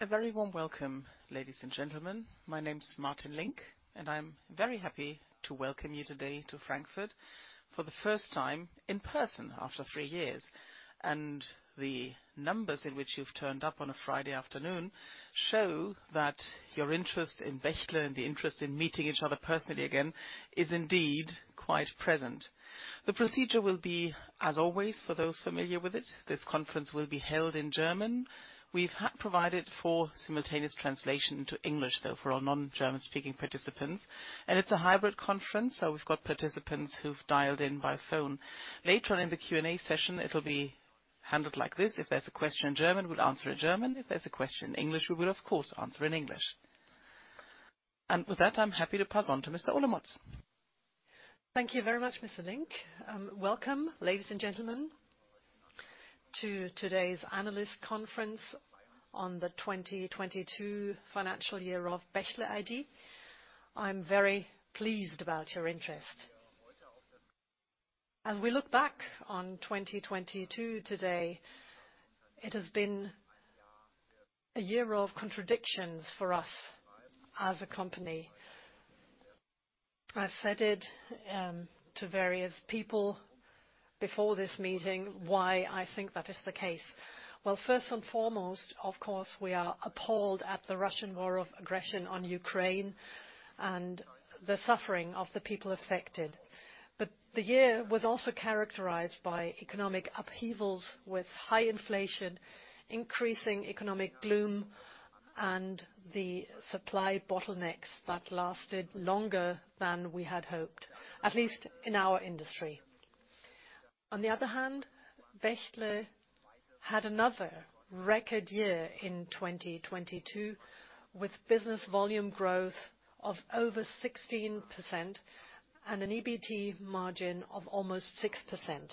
A very warm welcome, ladies and gentlemen. My name is Martin Link, I'm very happy to welcome you today to Frankfurt for the first time in person after three years. The numbers in which you've turned up on a Friday afternoon show that your interest in Bechtle and the interest in meeting each other personally again is indeed quite present. The procedure will be, as always, for those familiar with it, this conference will be held in German. We've provided for simultaneous translation to English, though, for our non-German speaking participants, and it's a hybrid conference, so we've got participants who've dialed in by phone. Later on in the Q&A session, it'll be handled like this. If there's a question in German, we'll answer in German. If there's a question in English, we will, of course, answer in English.With that, I'm happy to pass on to Mr. Olemotz. Thank you very much, Mr. Link. Welcome, ladies and gentlemen, to today's analyst conference on the 2022 financial year of Bechtle AG. I'm very pleased about your interest. As we look back on 2022 today, it has been a year of contradictions for us as a company. I've said it to various people before this meeting why I think that is the case. Well, first and foremost, of course, we are appalled at the Russian war of aggression on Ukraine and the suffering of the people affected. The year was also characterized by economic upheavals with high inflation, increasing economic gloom, and the supply bottlenecks that lasted longer than we had hoped, at least in our industry. On the other hand, Bechtle had another record year in 2022 with business volume growth of over 16% and an EBT margin of almost 6%.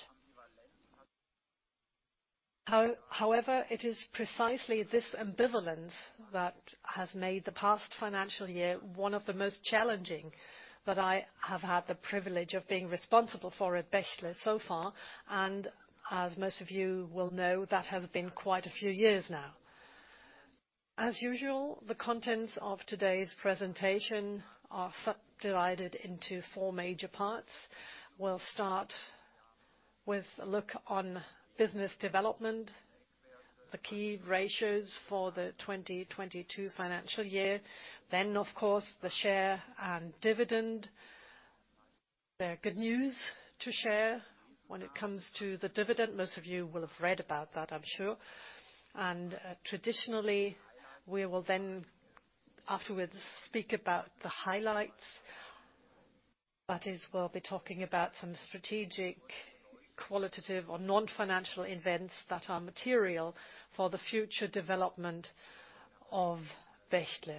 However, it is precisely this ambivalence that has made the past financial year one of the most challenging that I have had the privilege of being responsible for at Bechtle so far, and as most of you will know, that has been quite a few years now. As usual, the contents of today's presentation are subdivided into four major parts. We'll start with a look on business development, the key ratios for the 2022 financial year, of course, the share and dividend. There are good news to share when it comes to the dividend. Most of you will have read about that, I'm sure. Traditionally, we will then afterwards speak about the highlights. That is, we'll be talking about some strategic, qualitative or non-financial events that are material for the future development of Bechtle.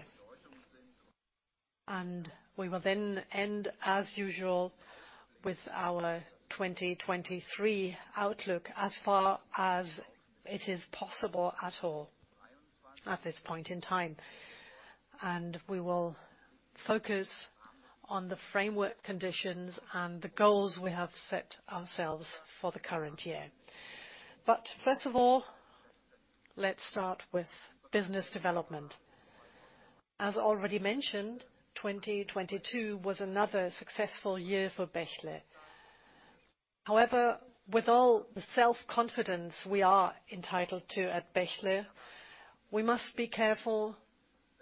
We will then end, as usual, with our 2023 outlook as far as it is possible at all at this point in time. We will focus on the framework conditions and the goals we have set ourselves for the current year. First of all, let's start with business development. As already mentioned, 2022 was another successful year for Bechtle. However, with all the self-confidence we are entitled to at Bechtle, we must be careful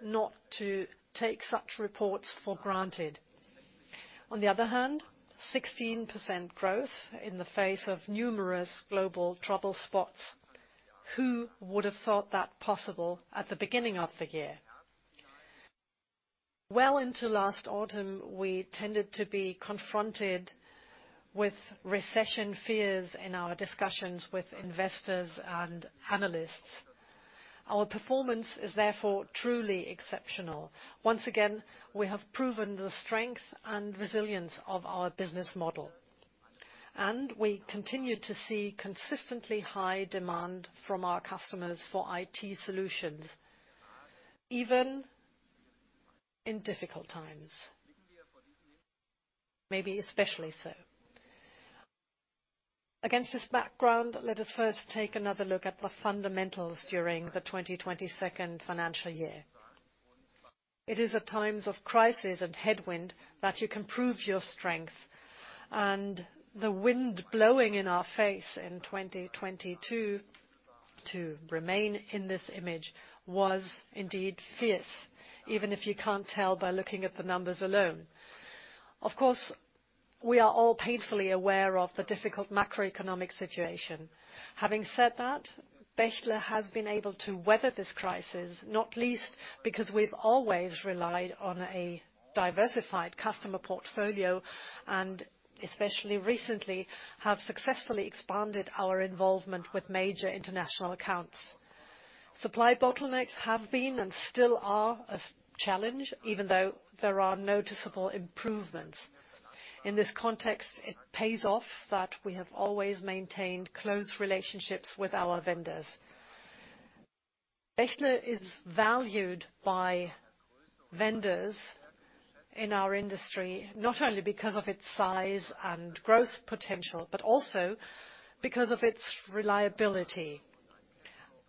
not to take such reports for granted. On the other hand, 16% growth in the face of numerous global trouble spots. Who would have thought that possible at the beginning of the year? Well into last autumn, we tended to be confronted with recession fears in our discussions with investors and analysts. Our performance is therefore truly exceptional. Once again, we have proven the strength and resilience of our business model. We continue to see consistently high demand from our customers for IT solutions, even in difficult times. Maybe especially so. Against this background, let us first take another look at the fundamentals during the 2022nd financial year. It is at times of crisis and headwind that you can prove your strength. The wind blowing in our face in 2022, to remain in this image, was indeed fierce, even if you can't tell by looking at the numbers alone. Of course, we are all painfully aware of the difficult macroeconomic situation. Having said that, Bechtle has been able to weather this crisis, not least because we've always relied on a diversified customer portfolio, and especially recently, have successfully expanded our involvement with major international accounts. Supply bottlenecks have been and still are a challenge, even though there are noticeable improvements. In this context, it pays off that we have always maintained close relationships with our vendors. Bechtle is valued by vendors in our industry, not only because of its size and growth potential, but also because of its reliability.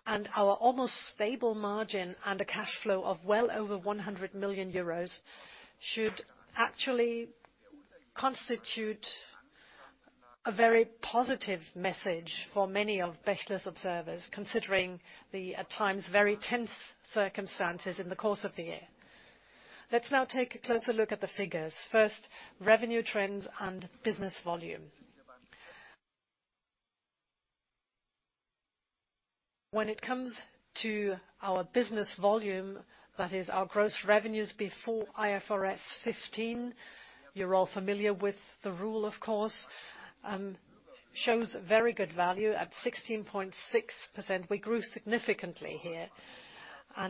Our almost stable margin and a cash flow of well over 100 million euros should actually constitute a very positive message for many of Bechtle's observers, considering the, at times, very tense circumstances in the course of the year. Let's now take a closer look at the figures. First, revenue trends and business volume. When it comes to our business volume, that is our gross revenues before IFRS 15, you're all familiar with the rule, of course, shows very good value at 16.6%. We grew significantly here.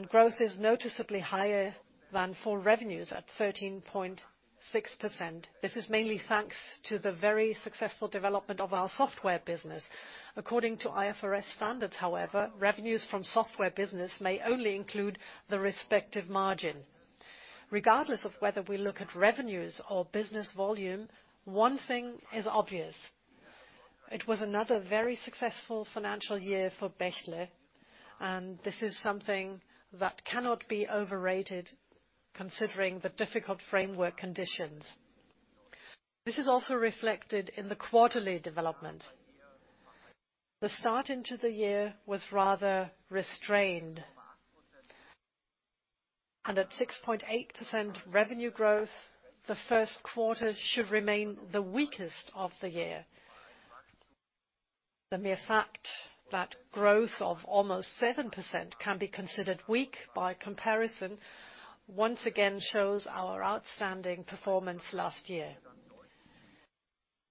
Growth is noticeably higher than full revenues at 13.6%. This is mainly thanks to the very successful development of our software business. According to IFRS standards, however, revenues from software business may only include the respective margin. Regardless of whether we look at revenues or business volume, one thing is obvious, it was another very successful financial year for Bechtle. This is something that cannot be overrated considering the difficult framework conditions. This is also reflected in the quarterly development. The start into the year was rather restrained. At 6.8% revenue growth, the first quarter should remain the weakest of the year. The mere fact that growth of almost 7% can be considered weak by comparison, once again shows our outstanding performance last year.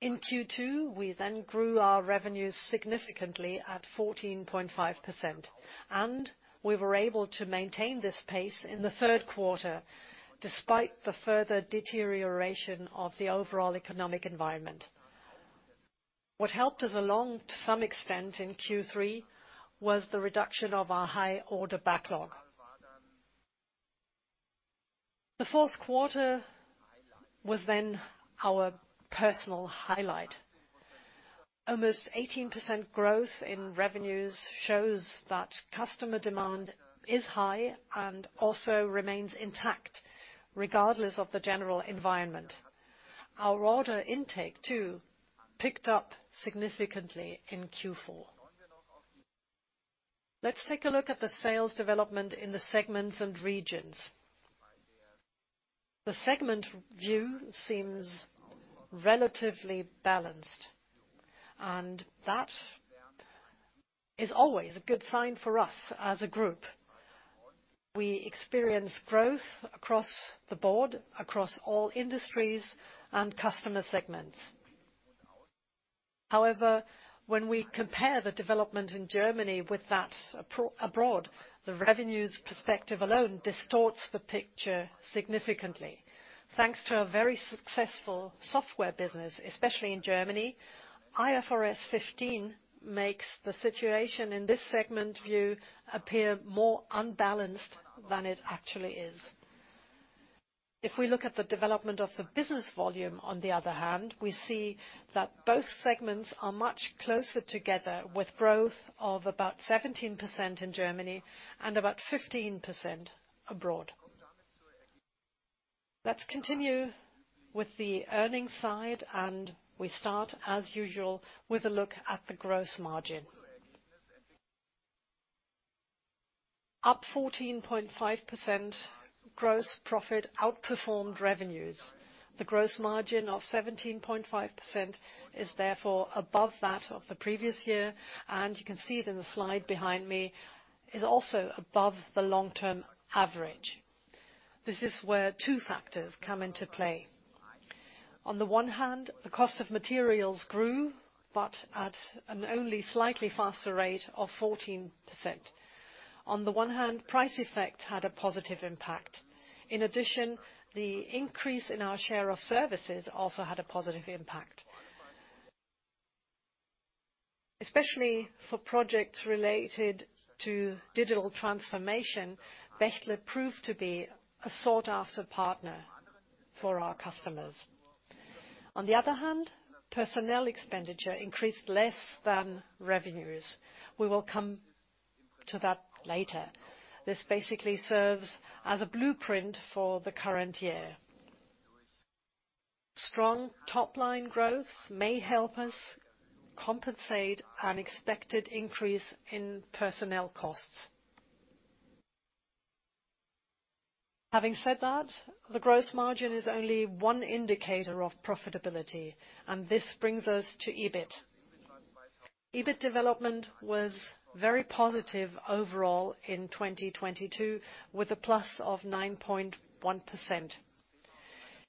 In Q2, we then grew our revenues significantly at 14.5%. We were able to maintain this pace in the third quarter, despite the further deterioration of the overall economic environment. What helped us along to some extent in Q3 was the reduction of our high order backlog. The fourth quarter was our personal highlight. Almost 18% growth in revenues shows that customer demand is high and also remains intact, regardless of the general environment. Our order intake too, picked up significantly in Q4. Let's take a look at the sales development in the segments and regions. The segment view seems relatively balanced. That is always a good sign for us as a group. We experience growth across the board, across all industries and customer segments. When we compare the development in Germany with that abroad, the revenues perspective alone distorts the picture significantly. Thanks to a very successful software business, especially in Germany, IFRS 15 makes the situation in this segment view appear more unbalanced than it actually is. If we look at the development of the business volume, on the other hand, we see that both segments are much closer together with growth of about 17% in Germany and about 15% abroad. Let's continue with the earnings side. We start, as usual, with a look at the gross margin. Up 14.5% gross profit outperformed revenues. The gross margin of 17.5% is therefore above that of the previous year, and you can see it in the slide behind me, is also above the long-term average. This is where two factors come into play. On the one hand, the cost of materials grew, but at an only slightly faster rate of 14%. On the one hand, price effect had a positive impact. In addition, the increase in our share of services also had a positive impact. Especially for projects related to digital transformation, Bechtle proved to be a sought-after partner for our customers. On the other hand, personnel expenditure increased less than revenues. We will come to that later. This basically serves as a blueprint for the current year. Strong top-line growth may help us compensate unexpected increase in personnel costs. Having said that, the gross margin is only one indicator of profitability, and this brings us to EBIT. EBIT development was very positive overall in 2022, with a plus of 9.1%.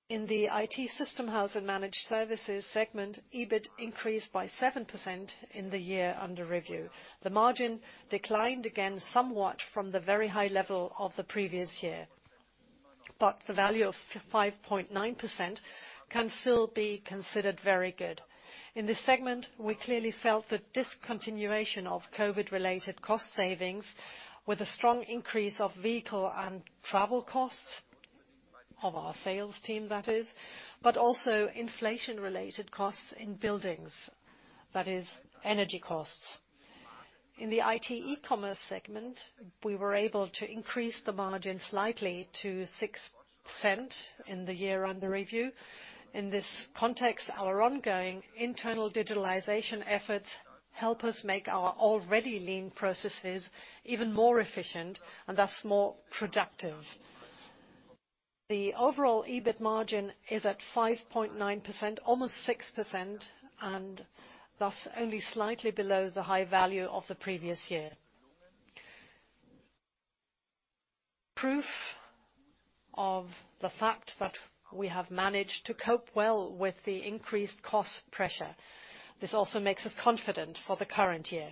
In the IT System House & Managed Services segment, EBIT increased by 7% in the year under review. The margin declined again somewhat from the very high level of the previous year. The value of 5.9% can still be considered very good. In this segment, we clearly felt the discontinuation of COVID-related cost savings, with a strong increase of vehicle and travel costs of our sales team, that is, but also inflation-related costs in buildings, that is, energy costs. In the IT E-Commerce segment, we were able to increase the margin slightly to 6% in the year under review. In this context, our ongoing internal digitalization efforts help us make our already lean processes even more efficient and thus more productive. The overall EBIT margin is at 5.9%, almost 6%, and thus only slightly below the high value of the previous year. Proof of the fact that we have managed to cope well with the increased cost pressure. This also makes us confident for the current year.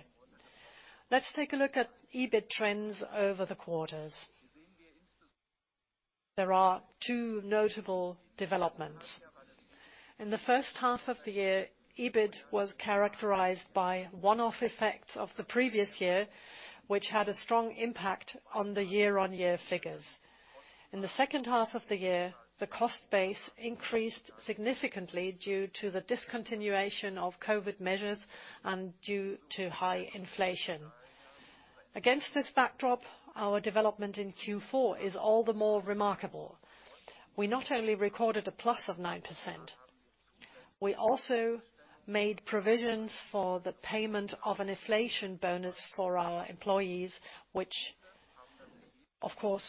Let's take a look at EBIT trends over the quarters. There are two notable developments. In the first half of the year, EBIT was characterized by one-off effects of the previous year, which had a strong impact on the year-on-year figures. In the second half of the year, the cost base increased significantly due to the discontinuation of COVID measures and due to high inflation. Against this backdrop, our development in Q4 is all the more remarkable. We not only recorded a plus of 9%, we also made provisions for the payment of an inflation bonus for our employees, which of course,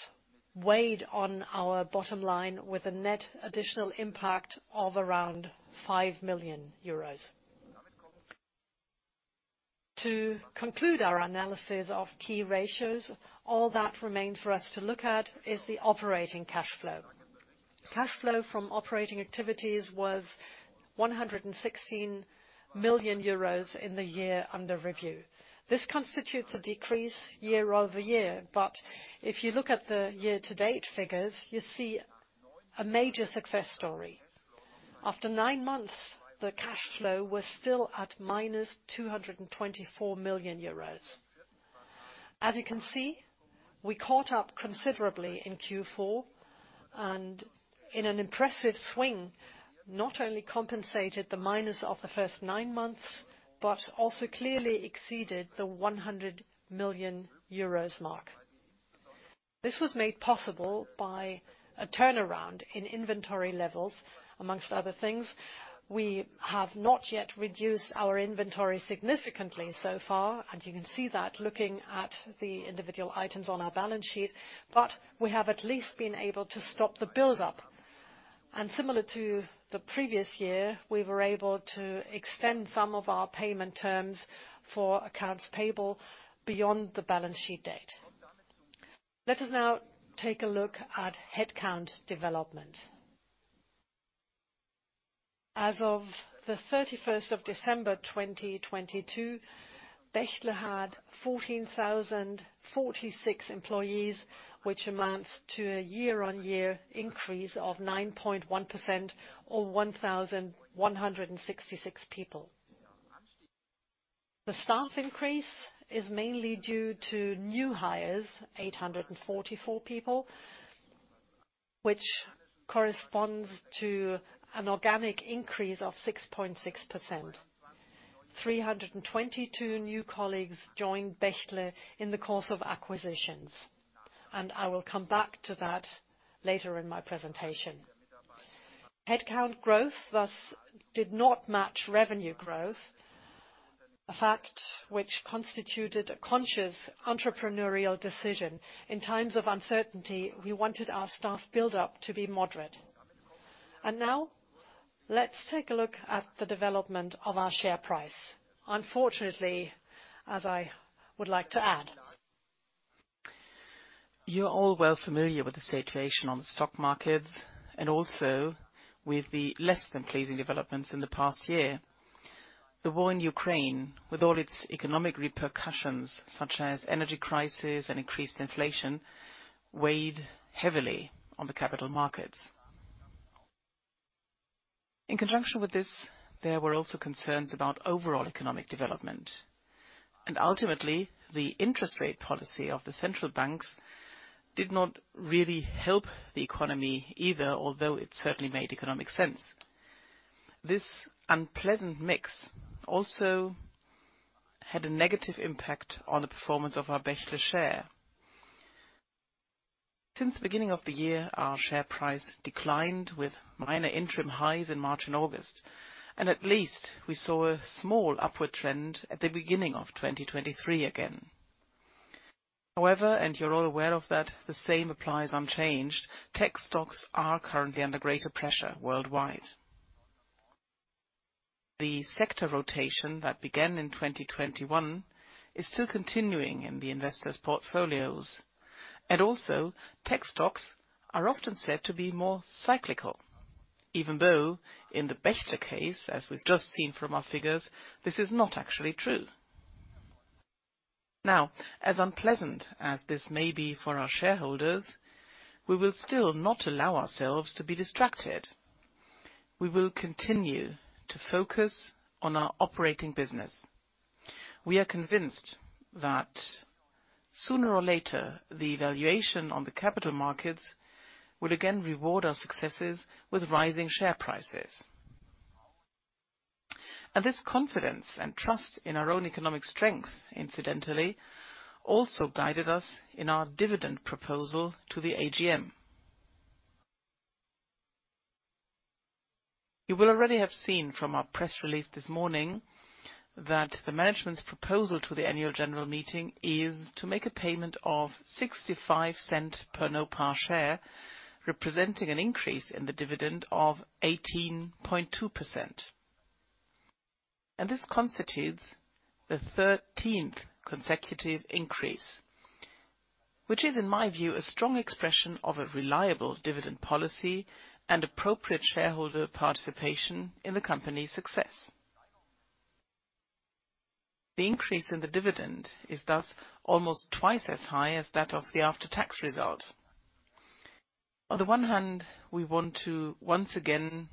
weighed on our bottom line with a net additional impact of around 5 million euros. To conclude our analysis of key ratios, all that remains for us to look at is the operating cash flow. Cash flow from operating activities was 116 million euros in the year under review. This constitutes a decrease year-over-year. If you look at the year to date figures, you see a major success story. After nine months, the cash flow was still at -224 million euros. As you can see, we caught up considerably in Q4, and in an impressive swing, not only compensated the minus of the first nine months, but also clearly exceeded the 100 million euros mark. This was made possible by a turnaround in inventory levels, among other things. We have not yet reduced our inventory significantly so far, and you can see that looking at the individual items on our balance sheet. We have at least been able to stop the build-up. Similar to the previous year, we were able to extend some of our payment terms for accounts payable beyond the balance sheet date. Let us now take a look at headcount development. As of the 31st of December, 2022, Bechtle had 14,046 employees, which amounts to a year-on-year increase of 9.1% or 1,166 people. The staff increase is mainly due to new hires, 844 people, which corresponds to an organic increase of 6.6%. 322 new colleagues joined Bechtle in the course of acquisitions, and I will come back to that later in my presentation. Headcount growth, thus, did not match revenue growth, a fact which constituted a conscious entrepreneurial decision. In times of uncertainty, we wanted our staff build-up to be moderate. Now let's take a look at the development of our share price. Unfortunately, as I would like to add. You're all well familiar with the situation on the stock markets and also with the less than pleasing developments in the past year. The war in Ukraine, with all its economic repercussions, such as energy crisis and increased inflation, weighed heavily on the capital markets. In conjunction with this, there were also concerns about overall economic development. Ultimately, the interest rate policy of the central banks did not really help the economy either, although it certainly made economic sense. This unpleasant mix also had a negative impact on the performance of our Bechtle share. Since the beginning of the year, our share price declined with minor interim highs in March and August, and at least we saw a small upward trend at the beginning of 2023 again. However, and you're all aware of that, the same applies unchanged. Tech stocks are currently under greater pressure worldwide. The sector rotation that began in 2021 is still continuing in the investors' portfolios. Also, tech stocks are often said to be more cyclical, even though in the Bechtle case, as we've just seen from our figures, this is not actually true. As unpleasant as this may be for our shareholders, we will still not allow ourselves to be distracted. We will continue to focus on our operating business. We are convinced that sooner or later, the valuation on the capital markets will again reward our successes with rising share prices. This confidence and trust in our own economic strength incidentally also guided us in our dividend proposal to the AGM. You will already have seen from our press release this morning that the management's proposal to the annual general meeting is to make a payment of 0.65 per no-par share, representing an increase in the dividend of 18.2%. This constitutes the 13th consecutive increase, which is, in my view, a strong expression of a reliable dividend policy and appropriate shareholder participation in the company's success. The increase in the dividend is thus almost twice as high as that of the after-tax result. On the one hand, we want to once again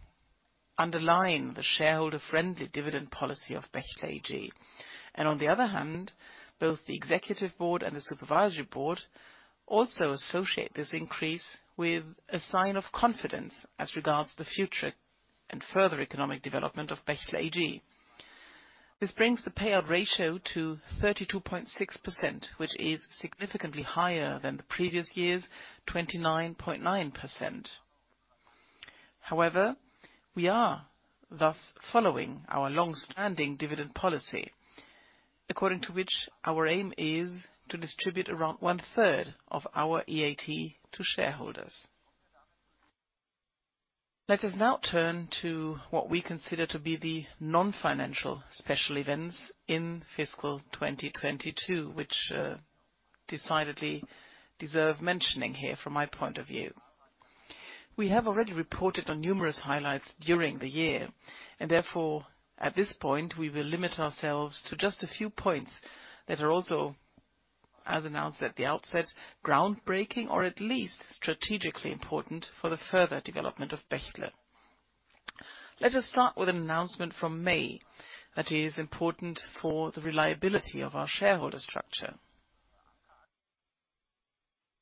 underline the shareholder-friendly dividend policy of Bechtle AG. On the other hand, both the executive board and the supervisory board also associate this increase with a sign of confidence as regards to the future and further economic development of Bechtle AG. This brings the payout ratio to 32.6%, which is significantly higher than the previous year's 29.9%. We are thus following our long-standing dividend policy, according to which our aim is to distribute around 1/3 of our EAT to shareholders. Let us now turn to what we consider to be the non-financial special events in fiscal 2022, which decidedly deserve mentioning here from my point of view. We have already reported on numerous highlights during the year, and therefore, at this point, we will limit ourselves to just a few points that are also, as announced at the outset, groundbreaking or at least strategically important for the further development of Bechtle. Let us start with an announcement from May that is important for the reliability of our shareholder structure.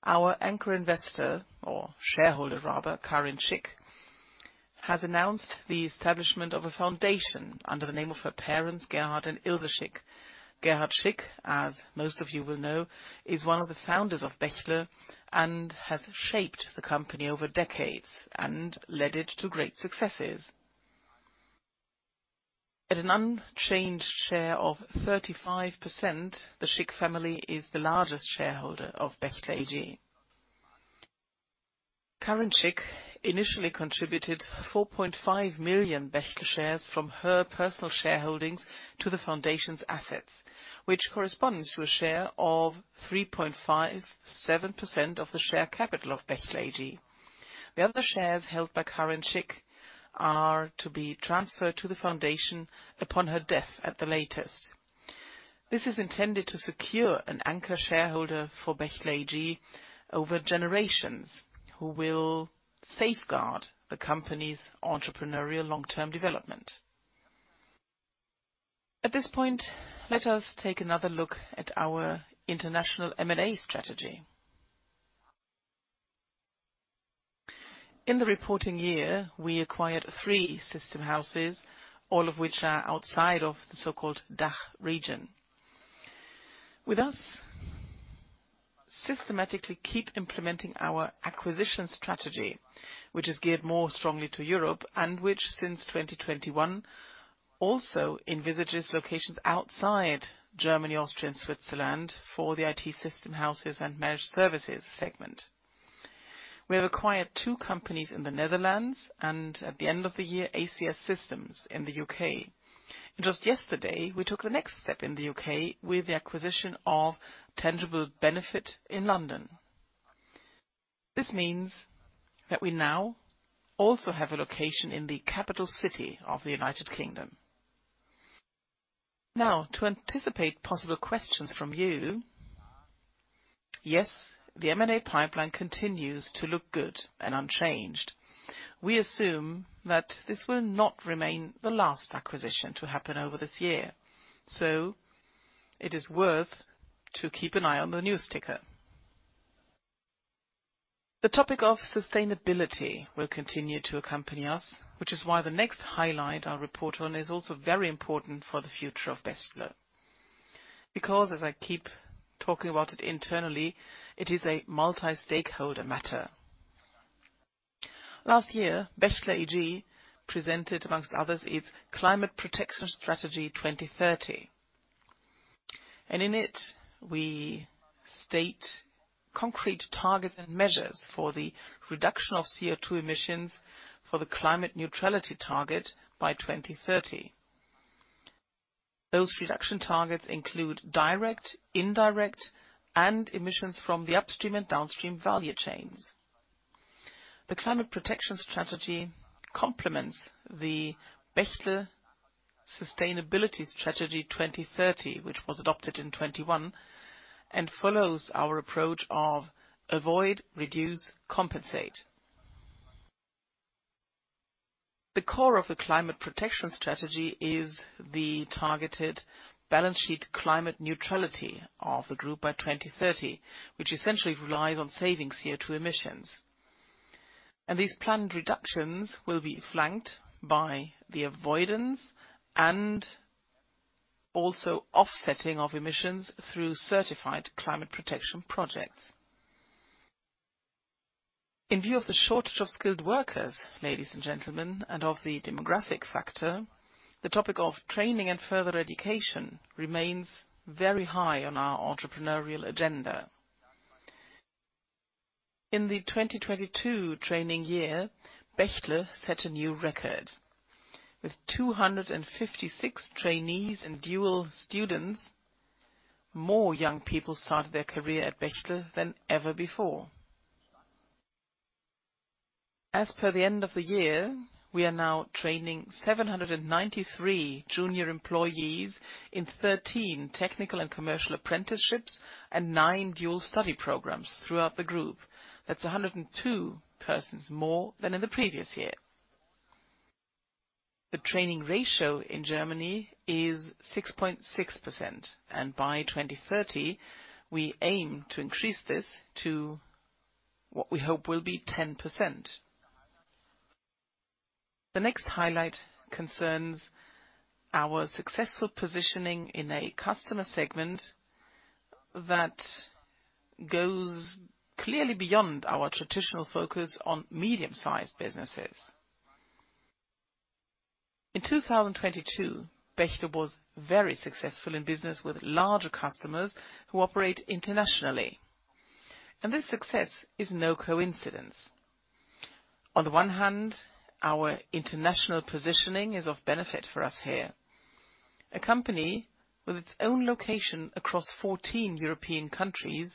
Our anchor investor, or shareholder rather, Karin Schick, has announced the establishment of a foundation under the name of her parents, Gerhard and Ilse Schick. Gerhard Schick, as most of you will know, is one of the founders of Bechtle and has shaped the company over decades and led it to great successes. At an unchanged share of 35%, the Schick family is the largest shareholder of Bechtle AG. Karin Schick initially contributed 4.5 million Bechtle shares from her personal shareholdings to the foundation's assets, which corresponds to a share of 3.57% of the share capital of Bechtle AG. The other shares held by Karin Schick are to be transferred to the foundation upon her death at the latest. This is intended to secure an anchor shareholder for Bechtle AG over generations who will safeguard the company's entrepreneurial long-term development. At this point, let us take another look at our international M&A strategy. In the reporting year, we acquired three system houses, all of which are outside of the so-called DACH region. With us, systematically keep implementing our acquisition strategy, which is geared more strongly to Europe and which, since 2021, also envisages locations outside Germany, Austria, and Switzerland for the IT System House & Managed Services segment. We have acquired two companies in the Netherlands, and at the end of the year, ACS Systems in the U.K. Just yesterday, we took the next step in the U.K. With the acquisition of Tangible Benefit in London. This means that we now also have a location in the capital city of the United Kingdom. Now, to anticipate possible questions from you, yes, the M&A pipeline continues to look good and unchanged. We assume that this will not remain the last acquisition to happen over this year. It is worth to keep an eye on the news ticker. The topic of sustainability will continue to accompany us, which is why the next highlight I'll report on is also very important for the future of Bechtle. As I keep talking about it internally, it is a multi-stakeholder matter. Last year, Bechtle AG presented, amongst others, its climate protection strategy 2030. In it, we state concrete targets and measures for the reduction of CO₂ emissions for the climate neutrality target by 2030. Those reduction targets include direct, indirect, and emissions from the upstream and downstream value chains. The climate protection strategy complements the Bechtle sustainability strategy 2030, which was adopted in 2021 and follows our approach of avoid, reduce, compensate. The core of the climate protection strategy is the targeted balance sheet climate neutrality of the group by 2030, which essentially relies on saving CO₂ emissions. These planned reductions will be flanked by the avoidance and also offsetting of emissions through certified climate protection projects. In view of the shortage of skilled workers, ladies and gentlemen, and of the demographic factor, the topic of training and further education remains very high on our entrepreneurial agenda. In the 2022 training year, Bechtle set a new record. With 256 trainees and dual students, more young people started their career at Bechtle than ever before. As per the end of the year, we are now training 793 junior employees in 13 technical and commercial apprenticeships and nine dual study programs throughout the group. That's 102 persons more than in the previous year. The training ratio in Germany is 6.6%, and by 2030, we aim to increase this to what we hope will be 10%. The next highlight concerns our successful positioning in a customer segment that goes clearly beyond our traditional focus on medium-sized businesses. In 2022, Bechtle was very successful in business with larger customers who operate internationally, and this success is no coincidence. On the one hand, our international positioning is of benefit for us here. A company with its own location across 14 European countries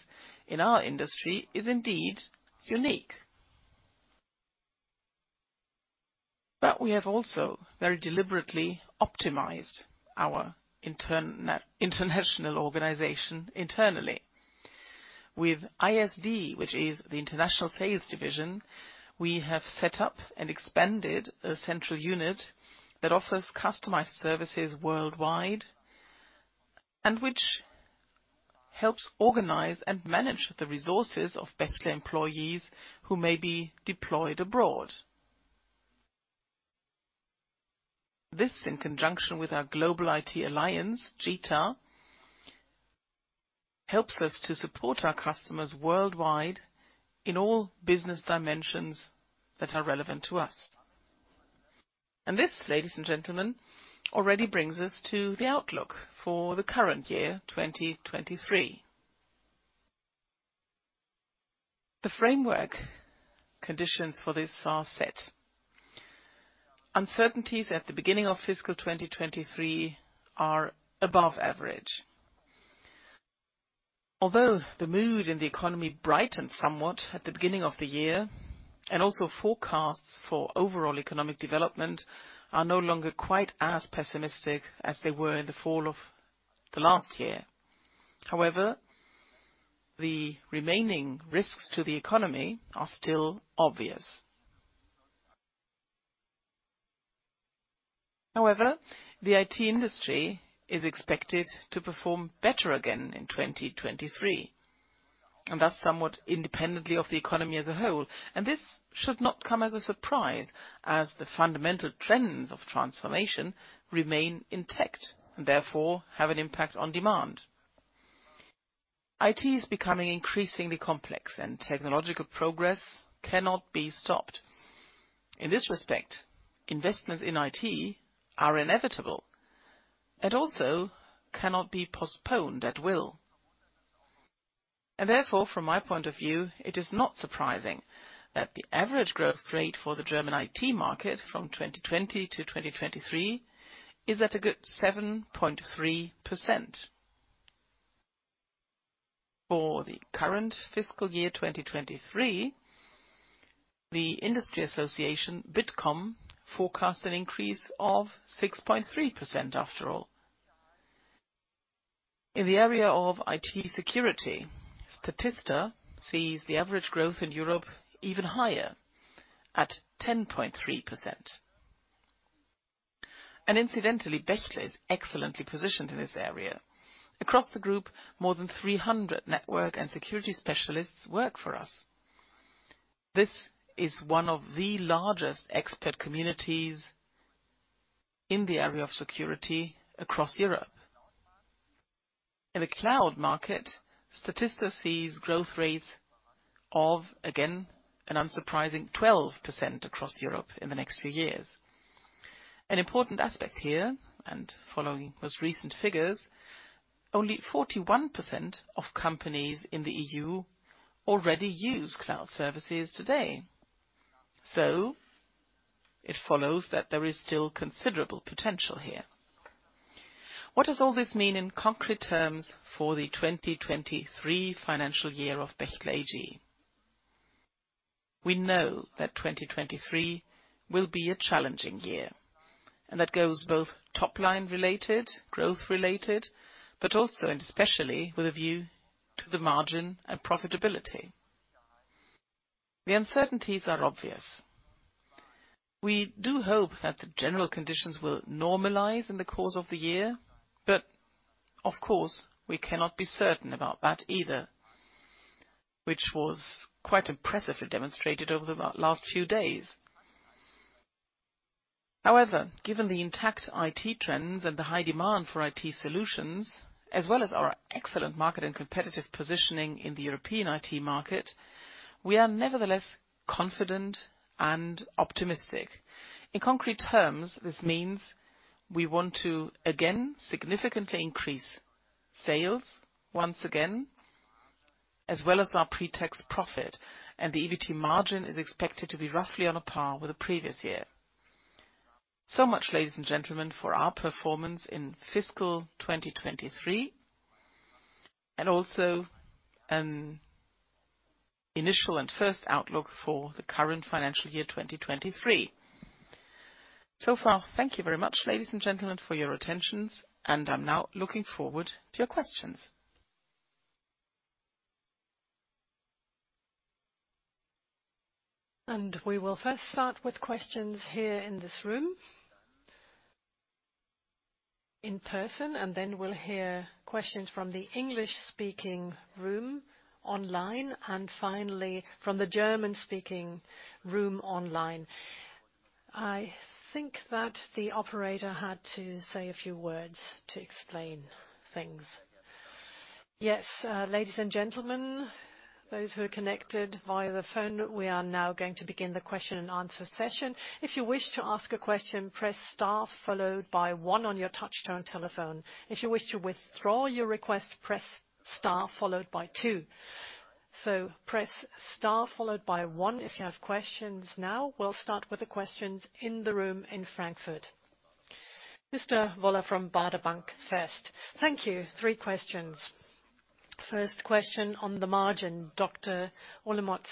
in our industry is indeed unique. We have also very deliberately optimized our international organization internally. With ISD, which is the International Sales Division, we have set up and expanded a central unit that offers customized services worldwide and which helps organize and manage the resources of Bechtle employees who may be deployed abroad. This, in conjunction with our Global IT Alliance, GITA, helps us to support our customers worldwide in all business dimensions that are relevant to us. This, ladies and gentlemen, already brings us to the outlook for the current year, 2023. The framework conditions for this are set. Uncertainties at the beginning of fiscal 2023 are above average. Although the mood in the economy brightened somewhat at the beginning of the year, and also forecasts for overall economic development are no longer quite as pessimistic as they were in the fall of the last year. However, the remaining risks to the economy are still obvious. However, the IT industry is expected to perform better again in 2023, and thus, somewhat independently of the economy as a whole. This should not come as a surprise as the fundamental trends of transformation remain intact and therefore have an impact on demand. IT is becoming increasingly complex and technological progress cannot be stopped. In this respect, investments in IT are inevitable and also cannot be postponed at will. Therefore, from my point of view, it is not surprising that the average growth rate for the German IT market from 2020 to 2023 is at a good 7.3%. For the current fiscal year, 2023, the industry association, Bitkom, forecast an increase of 6.3% after all. In the area of IT security, Statista sees the average growth in Europe even higher at 10.3%. Incidentally, Bechtle is excellently positioned in this area. Across the group, more than 300 network and security specialists work for us. This is one of the largest expert communities in the area of security across Europe. In the cloud market, Statista sees growth rates of, again, an unsurprising 12% across Europe in the next few years. An important aspect here and following those recent figures, only 41% of companies in the E.U. already use cloud services today. It follows that there is still considerable potential here. What does all this mean in concrete terms for the 2023 financial year of Bechtle AG? We know that 2023 will be a challenging year, and that goes both top line related, growth related, but also, and especially, with a view to the margin and profitability. The uncertainties are obvious. We do hope that the general conditions will normalize in the course of the year, but of course, we cannot be certain about that either, which was quite impressively demonstrated over the last few days. However, given the intact IT trends and the high demand for IT solutions, as well as our excellent market and competitive positioning in the European IT market, we are nevertheless confident and optimistic. In concrete terms, this means we want to, again, significantly increase sales once again, as well as our pre-tax profit. The EBT margin is expected to be roughly on a par with the previous year. Much, ladies and gentlemen, for our performance in fiscal 2023, also an initial and first outlook for the current financial year, 2023. Far, thank you very much, ladies and gentlemen, for your attentions. I'm now looking forward to your questions. We will first start with questions here in this room in person, then we'll hear questions from the English-speaking room online and finally, from the German-speaking room online. I think that the operator had to say a few words to explain things. Yes, ladies and gentlemen, those who are connected via the phone, we are now going to begin the question and answer session. If you wish to ask a question, press star followed by one on your touchtone telephone. If you wish to withdraw your request, press star followed by two. Press star followed by one if you have questions now. We'll start with the questions in the room in Frankfurt. Mr. Woller from Baader Bank first. Thank you. Three questions. First question on the margin. Dr. Olemotz,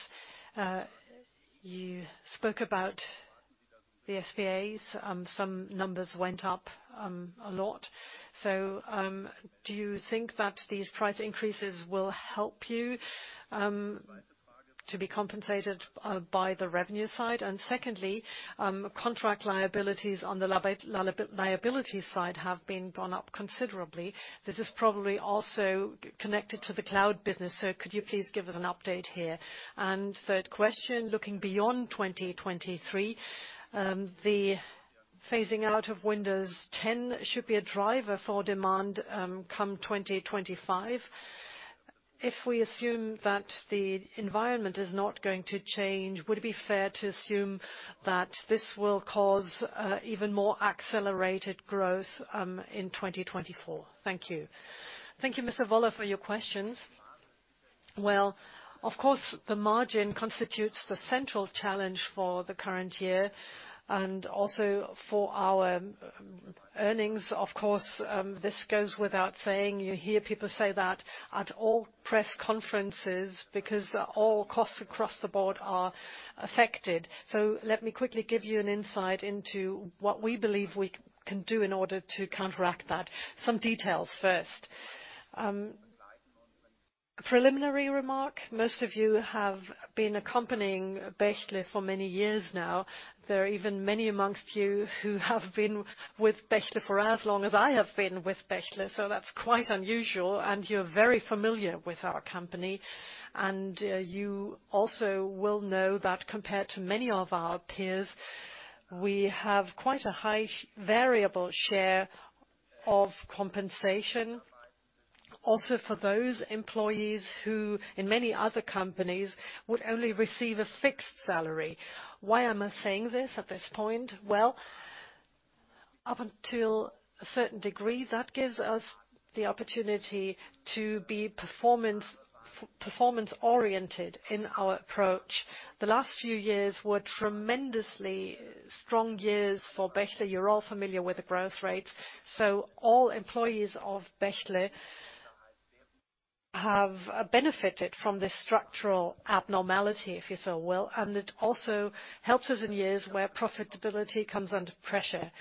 you spoke about the SG&A. Some numbers went up a lot. Do you think that these price increases will help you to be compensated by the revenue side? Secondly, contract liabilities on the liability side have been gone up considerably. This is probably also connected to the cloud business, so could you please give us an update here? Third question, looking beyond 2023, the phasing out of Windows 10 should be a driver for demand, come 2025. If we assume that the environment is not going to change, would it be fair to assume that this will cause even more accelerated growth in 2024? Thank you, Mr. Woller, for your questions. Well, of course, the margin constitutes the central challenge for the current year and also for our earnings. Of course, this goes without saying. You hear people say that at all press conferences because all costs across the board are affected. Let me quickly give you an insight into what we believe we can do in order to counteract that. Some details first. Preliminary remark, most of you have been accompanying Bechtle for many years now. There are even many amongst you who have been with Bechtle for as long as I have been with Bechtle, so that's quite unusual, and you're very familiar with our company. You also will know that compared to many of our peers, we have quite a high variable share of compensation also for those employees who, in many other companies, would only receive a fixed salary. Why am I saying this at this point? Well, up until a certain degree, that gives us the opportunity to be performance-oriented in our approach. The last few years were tremendously strong years for Bechtle. You're all familiar with the growth rates. All employees of Bechtle have benefited from this structural abnormality, if you so will, and it also helps us in years where profitability comes under pressure.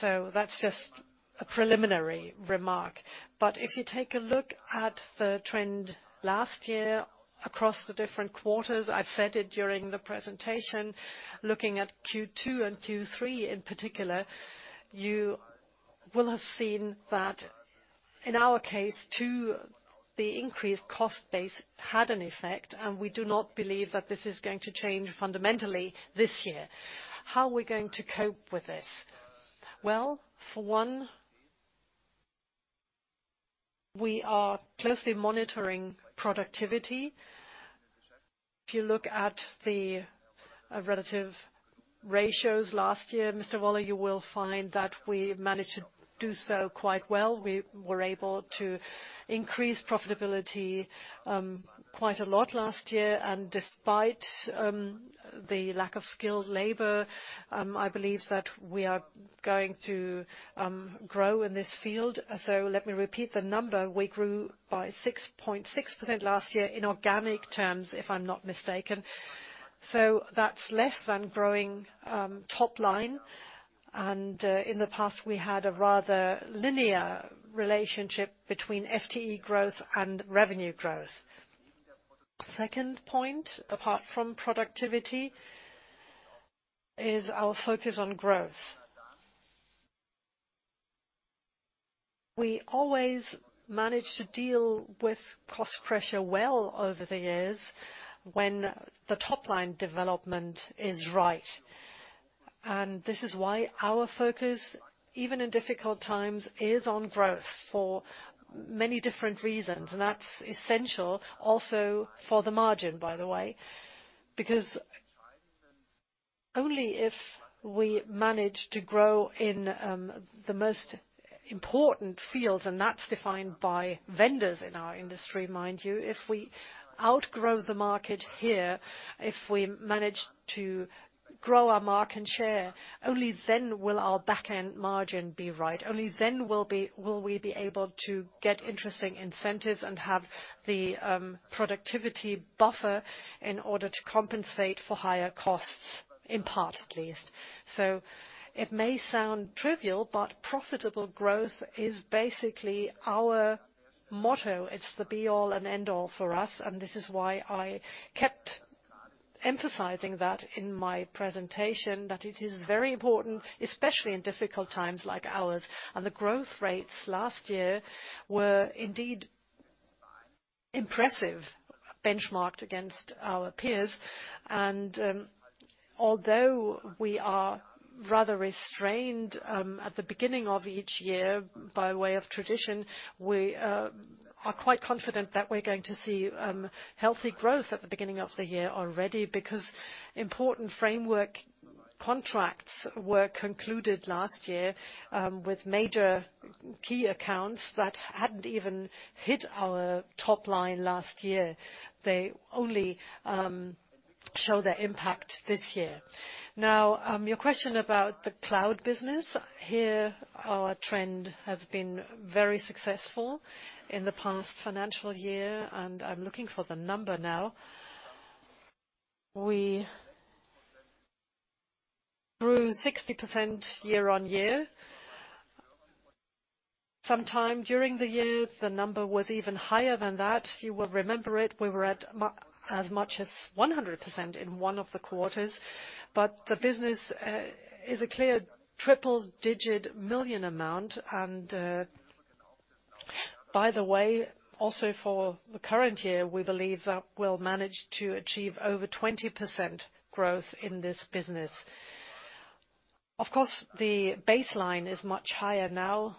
That's just a preliminary remark. If you take a look at the trend last year across the different quarters, I've said it during the presentation, looking at Q2 and Q3 in particular, you will have seen that in our case, too, the increased cost base had an effect, and we do not believe that this is going to change fundamentally this year. How are we going to cope with this? Well, for one, we are closely monitoring productivity. If you look at the relative ratios last year, Mr. Woller, you will find that we managed to do so quite well. We were able to increase profitability quite a lot last year. Despite the lack of skilled labor, I believe that we are going to grow in this field. Let me repeat the number. We grew by 6.6% last year in organic terms, if I'm not mistaken. That's less than growing, top line. In the past we had a rather linear relationship between FTE growth and revenue growth. Second point, apart from productivity, is our focus on growth. We always managed to deal with cost pressure well over the years when the top line development is right. This is why our focus, even in difficult times, is on growth for many different reasons. That's essential also for the margin, by the way, because only if we manage to grow in the most important fields, and that's defined by vendors in our industry, mind you, if we outgrow the market here, if we manage to grow our market share, only then will our back end margin be right. Only then will we be able to get interesting incentives and have the productivity buffer in order to compensate for higher costs, in part, at least. It may sound trivial, but profitable growth is basically our motto. It's the be all and end all for us. This is why I kept emphasizing that in my presentation, that it is very important, especially in difficult times like ours. The growth rates last year were indeed impressive, benchmarked against our peers. Although we are rather restrained at the beginning of each year, by way of tradition, we are quite confident that we're going to see healthy growth at the beginning of the year already, because important framework contracts were concluded last year with major key accounts that hadn't even hit our top line last year. They only show their impact this year. Your question about the cloud business. Here our trend has been very successful in the past financial year, I'm looking for the number now. We grew 60% year-on-year. Sometime during the year, the number was even higher than that. You will remember it. We were at as much as 100% in one of the quarters. The business is a clear triple-digit million amount. By the way, also for the current year, we believe that we'll manage to achieve over 20% growth in this business. Of course, the baseline is much higher now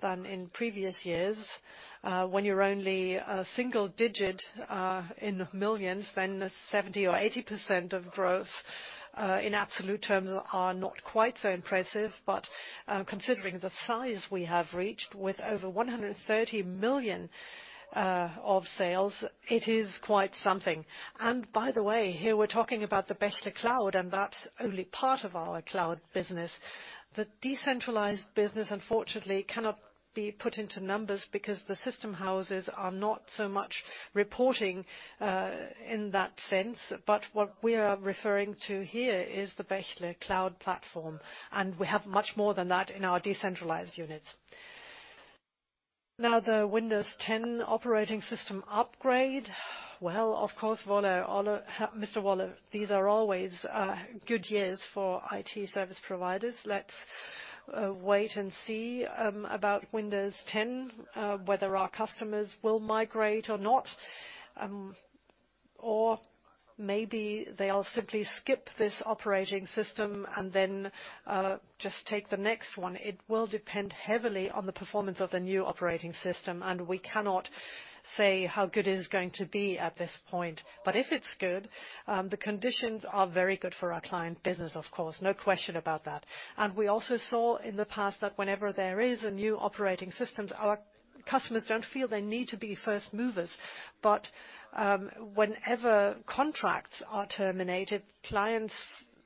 than in previous years. When you're only a single-digit in millions, 70% or 80% of growth in absolute terms are not quite so impressive. Considering the size we have reached with over 130 million of sales, it is quite something. By the way, here we're talking about the Bechtle Clouds, and that's only part of our cloud business. The decentralized business, unfortunately, cannot be put into numbers because the system houses are not so much reporting in that sense. What we are referring to here is the Bechtle Clouds platform, and we have much more than that in our decentralized units. Now, the Windows 10 operating system upgrade. Well, of course, Woller, all Mr. Woller, these are always good years for IT service providers. Let's wait and see about Windows 10 whether our customers will migrate or not. Or maybe they'll simply skip this operating system and then just take the next one. It will depend heavily on the performance of the new operating system, and we cannot say how good it is going to be at this point. If it's good, the conditions are very good for our client business, of course. No question about that. We also saw in the past that whenever there is a new operating systems, our customers don't feel they need to be first movers. Whenever contracts are terminated, clients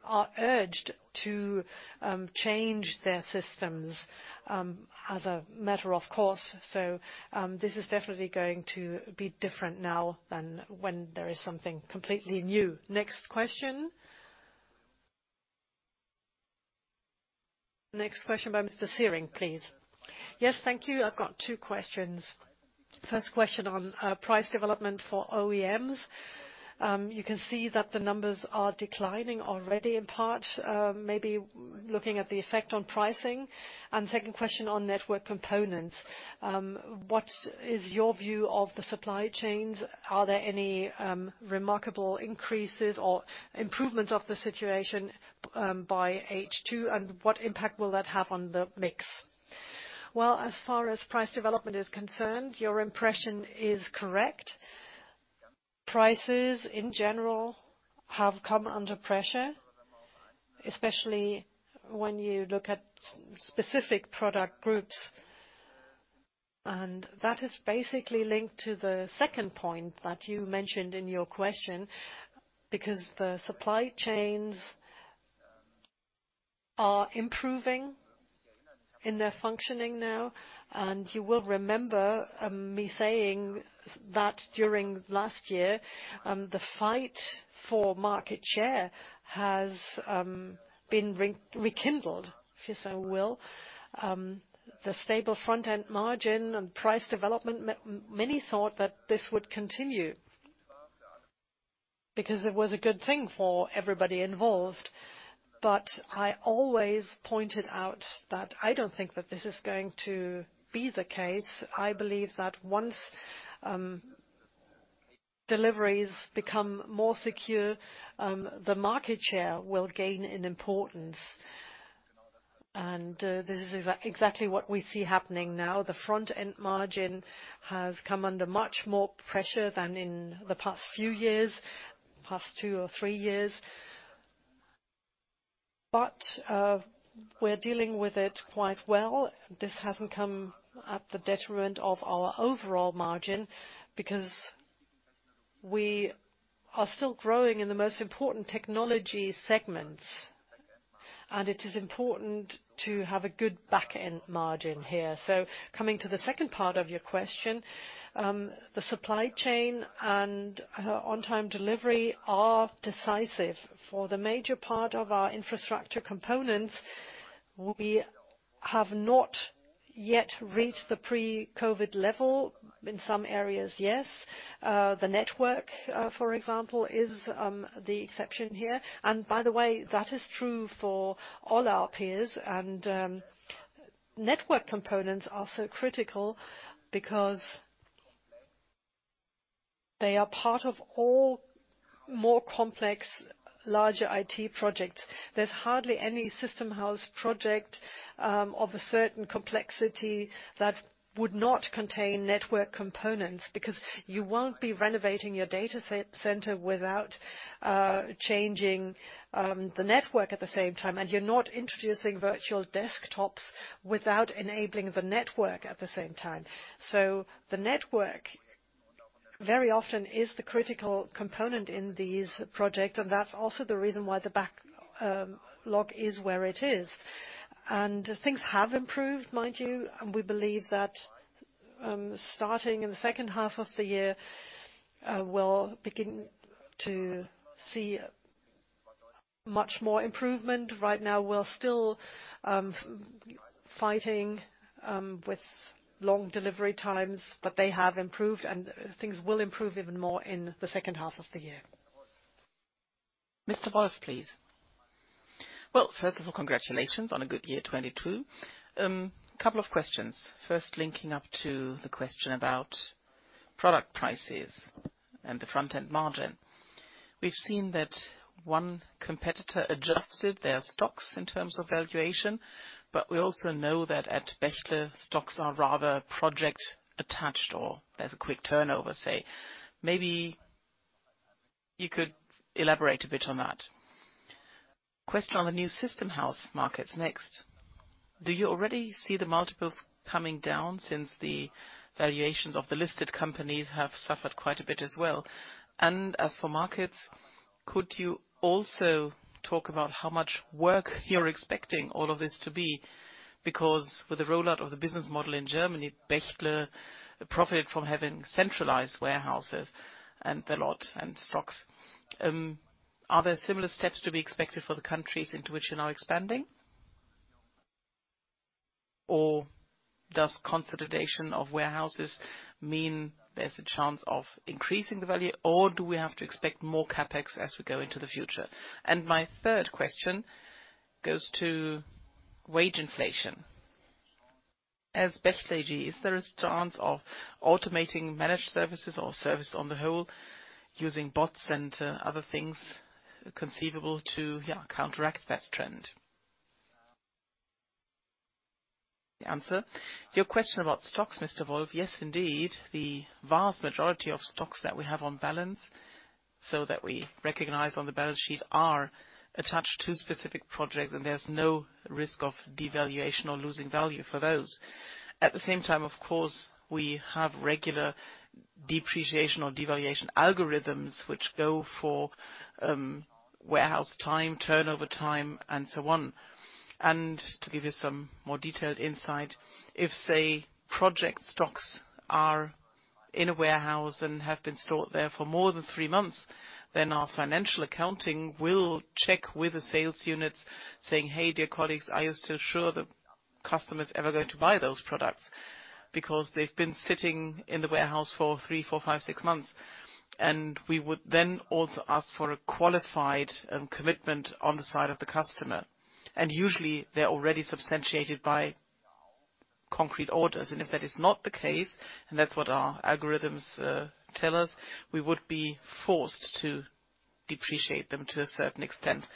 are urged to change their systems as a matter of course. This is definitely going to be different now than when there is something completely new. Next question. Next question by Mr. Siering, please. Yes, thank you. I've got two questions. First question on, price development for OEMs. You can see that the numbers are declining already in part, maybe looking at the effect on pricing. Second question on network components. What is your view of the supply chains? Are there any remarkable increases or improvement of the situation by H2, and what impact will that have on the mix? Well, as far as price development is concerned, your impression is correct. Prices in general have come under pressure, especially when you look at specific product groups. That is basically linked to the second point that you mentioned in your question, because the supply chains are improving in their functioning now. You will remember me saying that during last year, the fight for market share has been rekindled, if you so will. The stable front-end margin and price development, many thought that this would continue because it was a good thing for everybody involved. I always pointed out that I don't think that this is going to be the case. I believe that once deliveries become more secure, the market share will gain in importance. This is exactly what we see happening now. The front-end margin has come under much more pressure than in the past few years, past two or three years. We're dealing with it quite well. This hasn't come at the detriment of our overall margin because we are still growing in the most important technology segments, and it is important to have a good back-end margin here. Coming to the second part of your question, the supply chain and on-time delivery are decisive. For the major part of our infrastructure components, we have not yet reached the pre-COVID level. In some areas, yes. The network, for example, is the exception here. By the way, that is true for all our peers. Network components are so critical because they are part of all more complex, larger IT projects. There's hardly any system house project of a certain complexity that would not contain network components, because you won't be renovating your data center without changing the network at the same time, and you're not introducing virtual desktops without enabling the network at the same time. The network very often is the critical component in these project, and that's also the reason why the back log is where it is. Things have improved, mind you, and we believe that, starting in the second half of the year, we'll begin to see much more improvement. Right now, we're still fighting with long delivery times, but they have improved, and things will improve even more in the second half of the year. Mr. Wolf, please. Well, first of all, congratulations on a good year 2022. Couple of questions. First, linking up to the question about product prices and the front-end margin. We've seen that one competitor adjusted their stocks in terms of valuation, but we also know that at Bechtle, stocks are rather project attached, or there's a quick turnover, say. Maybe you could elaborate a bit on that. Question on the new system house markets next. Do you already see the multiples coming down since the valuations of the listed companies have suffered quite a bit as well? As for markets, could you also talk about how much work you're expecting all of this to be? Because with the rollout of the business model in Germany, Bechtle profited from having centralized warehouses and the lot and stocks. Are there similar steps to be expected for the countries into which you're now expanding? Does consolidation of warehouses mean there's a chance of increasing the value, or do we have to expect more CapEx as we go into the future? My third question goes to wage inflation. As Bechtle AG, is there a chance of automating managed services or service on the whole using bots and other things conceivable to, yeah, counteract that trend? The answer. Your question about stocks, Mr. Wolf, yes, indeed, the vast majority of stocks that we have on balance, so that we recognize on the balance sheet, are attached to specific projects, and there's no risk of devaluation or losing value for those. At the same time, of course, we have regular depreciation or devaluation algorithms which go for warehouse time, turnover time, and so on. To give you some more detailed insight, if, say, project stocks are in a warehouse and have been stored there for more than three months, then our financial accounting will check with the sales units saying, "Hey, dear colleagues, are you still sure the customer's ever going to buy those products because they've been sitting in the warehouse for three, four, five, six months?" We would then also ask for a qualified commitment on the side of the customer. Usually they're already substantiated by concrete orders. If that is not the case, and that's what our algorithms tell us, we would be forced to. Depreciate them to a certain extent,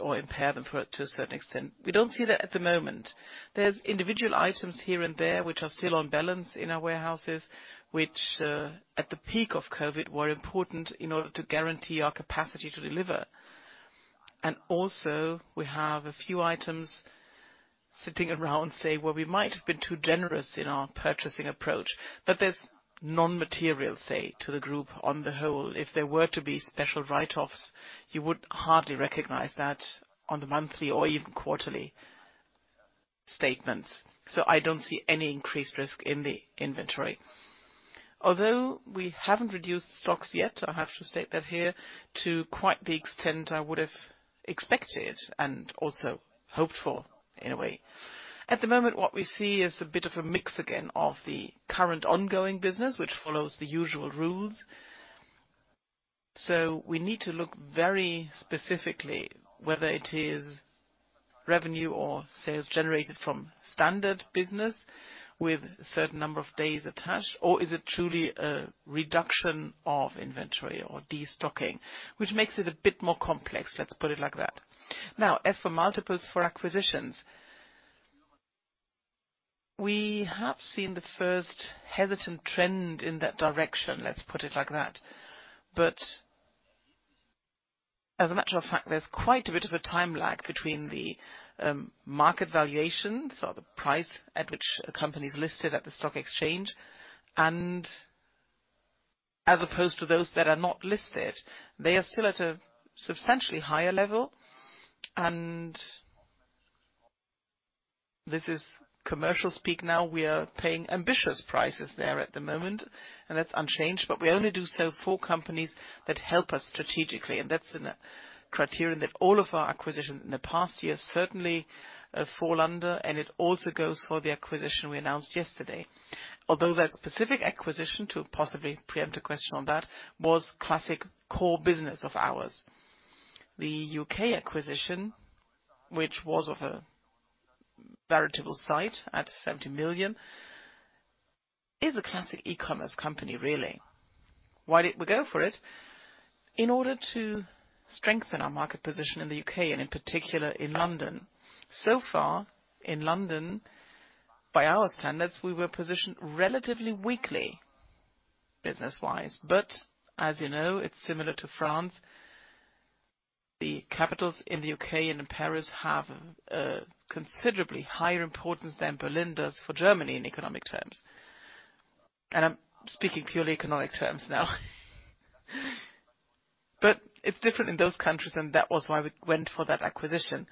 or impair them for, to a certain extent. We don't see that at the moment. There's individual items here and there which are still on balance in our warehouses, which, at the peak of COVID were important in order to guarantee our capacity to deliver. Also, we have a few items sitting around, say, where we might have been too generous in our purchasing approach. That's non-material, say, to the Group on the whole. If there were to be special write-offs, you would hardly recognize that on the monthly or even quarterly statements. I don't see any increased risk in the inventory. Although we haven't reduced stocks yet, I have to state that here, to quite the extent I would have expected and also hoped for, in a way. At the moment, what we see is a bit of a mix again of the current ongoing business, which follows the usual rules. We need to look very specifically whether it is revenue or sales generated from standard business with a certain number of days attached, or is it truly a reduction of inventory or destocking, which makes it a bit more complex, let's put it like that. Now, as for multiples for acquisitions. We have seen the first hesitant trend in that direction, let's put it like that. As a matter of fact, there's quite a bit of a time lag between the market valuations or the price at which a company is listed at the stock exchange. As opposed to those that are not listed, they are still at a substantially higher level. This is commercial speak now, we are paying ambitious prices there at the moment, and that's unchanged. We only do so for companies that help us strategically. That's in a criterion that all of our acquisitions in the past years certainly fall under, and it also goes for the acquisition we announced yesterday. Although that specific acquisition, to possibly preempt a question on that, was classic core business of ours. The U.K. acquisition, which was of a veritable site at 70 million, is a classic e-commerce company, really. Why did we go for it? In order to strengthen our market position in the U.K., and in particular in London. So far, in London, by our standards, we were positioned relatively weakly business-wise. As you know, it's similar to France. The capitals in the U.K. and in Paris have considerably higher importance than Berlin does for Germany in economic terms. I'm speaking purely economic terms now. It's different in those countries, and that was why we went for that acquisition.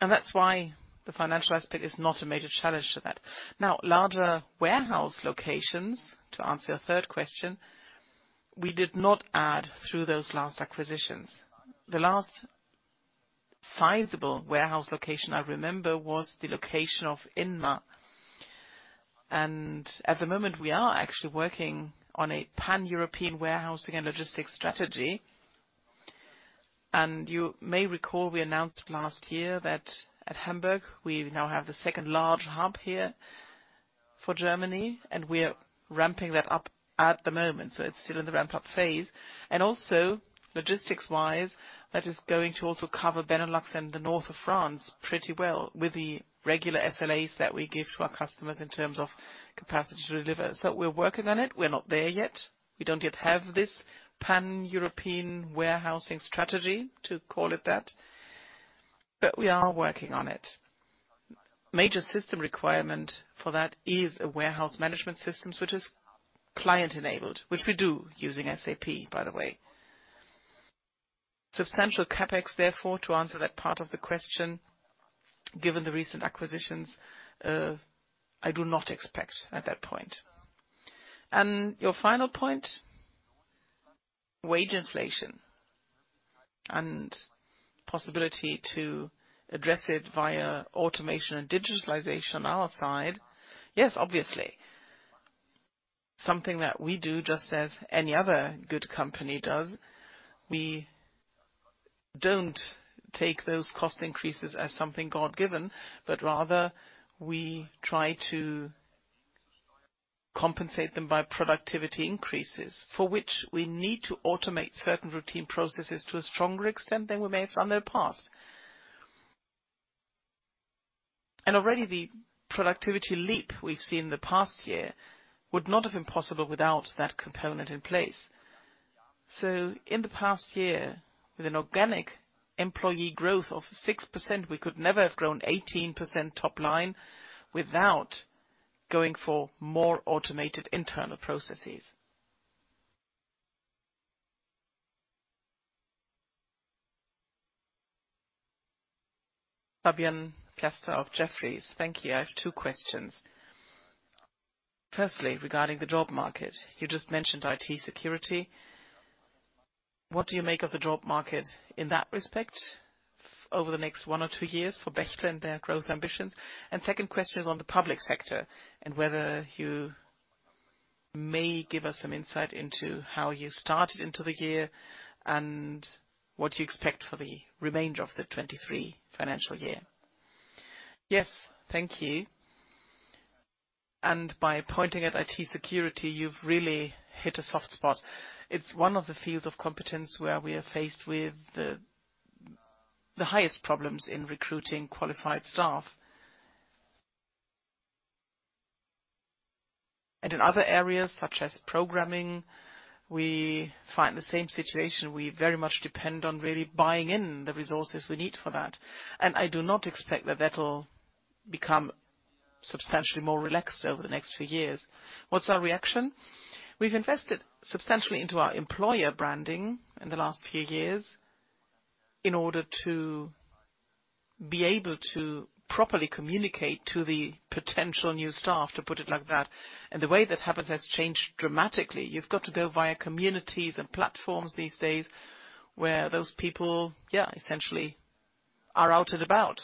That's why the financial aspect is not a major challenge to that. Now, larger warehouse locations, to answer your third question, we did not add through those last acquisitions. The last sizable warehouse location I remember was the location of Inmac. At the moment, we are actually working on a Pan-European warehousing and logistics strategy. You may recall we announced last year that at Hamburg, we now have the second large hub here for Germany, and we are ramping that up at the moment. It's still in the ramp-up phase. Logistics-wise, that is going to also cover Benelux and the north of France pretty well with the regular SLAs that we give to our customers in terms of capacity to deliver. We're working on it. We're not there yet. We don't yet have this Pan-European warehousing strategy, to call it that. We are working on it. Major system requirement for that is a warehouse management system, which is client-enabled, which we do using SAP, by the way. Substantial CapEx, therefore, to answer that part of the question, given the recent acquisitions, I do not expect at that point. Your final point, wage inflation and possibility to address it via automation and digitalization on our side. Yes, obviously. Something that we do just as any other good company does, we don't take those cost increases as something God-given, but rather we try to compensate them by productivity increases for which we need to automate certain routine processes to a stronger extent than we may have done in the past. Already, the productivity leap we've seen in the past year would not have been possible without that component in place. In the past year, with an organic employee growth of 6%, we could never have grown 18% top line without going for more automated internal processes. Fabian Piasta of Jefferies. Thank you. I have two questions. Firstly, regarding the job market, you just mentioned IT security. What do you make of the job market in that respect over the next one or two years for Bechtle and their growth ambitions? Second question is on the public sector and whether you may give us some insight into how you started into the year and what you expect for the remainder of the 2023 financial year. Yes. Thank you. By pointing at IT security, you've really hit a soft spot. It's one of the fields of competence where we are faced with the highest problems in recruiting qualified staff. In other areas, such as programming, we find the same situation. We very much depend on really buying in the resources we need for that, and I do not expect that that'll become substantially more relaxed over the next few years. What's our reaction? We've invested substantially into our employer branding in the last few years in order to be able to properly communicate to the potential new staff, to put it like that. The way this happens has changed dramatically. You've got to go via communities and platforms these days where those people, yeah, essentially are out and about.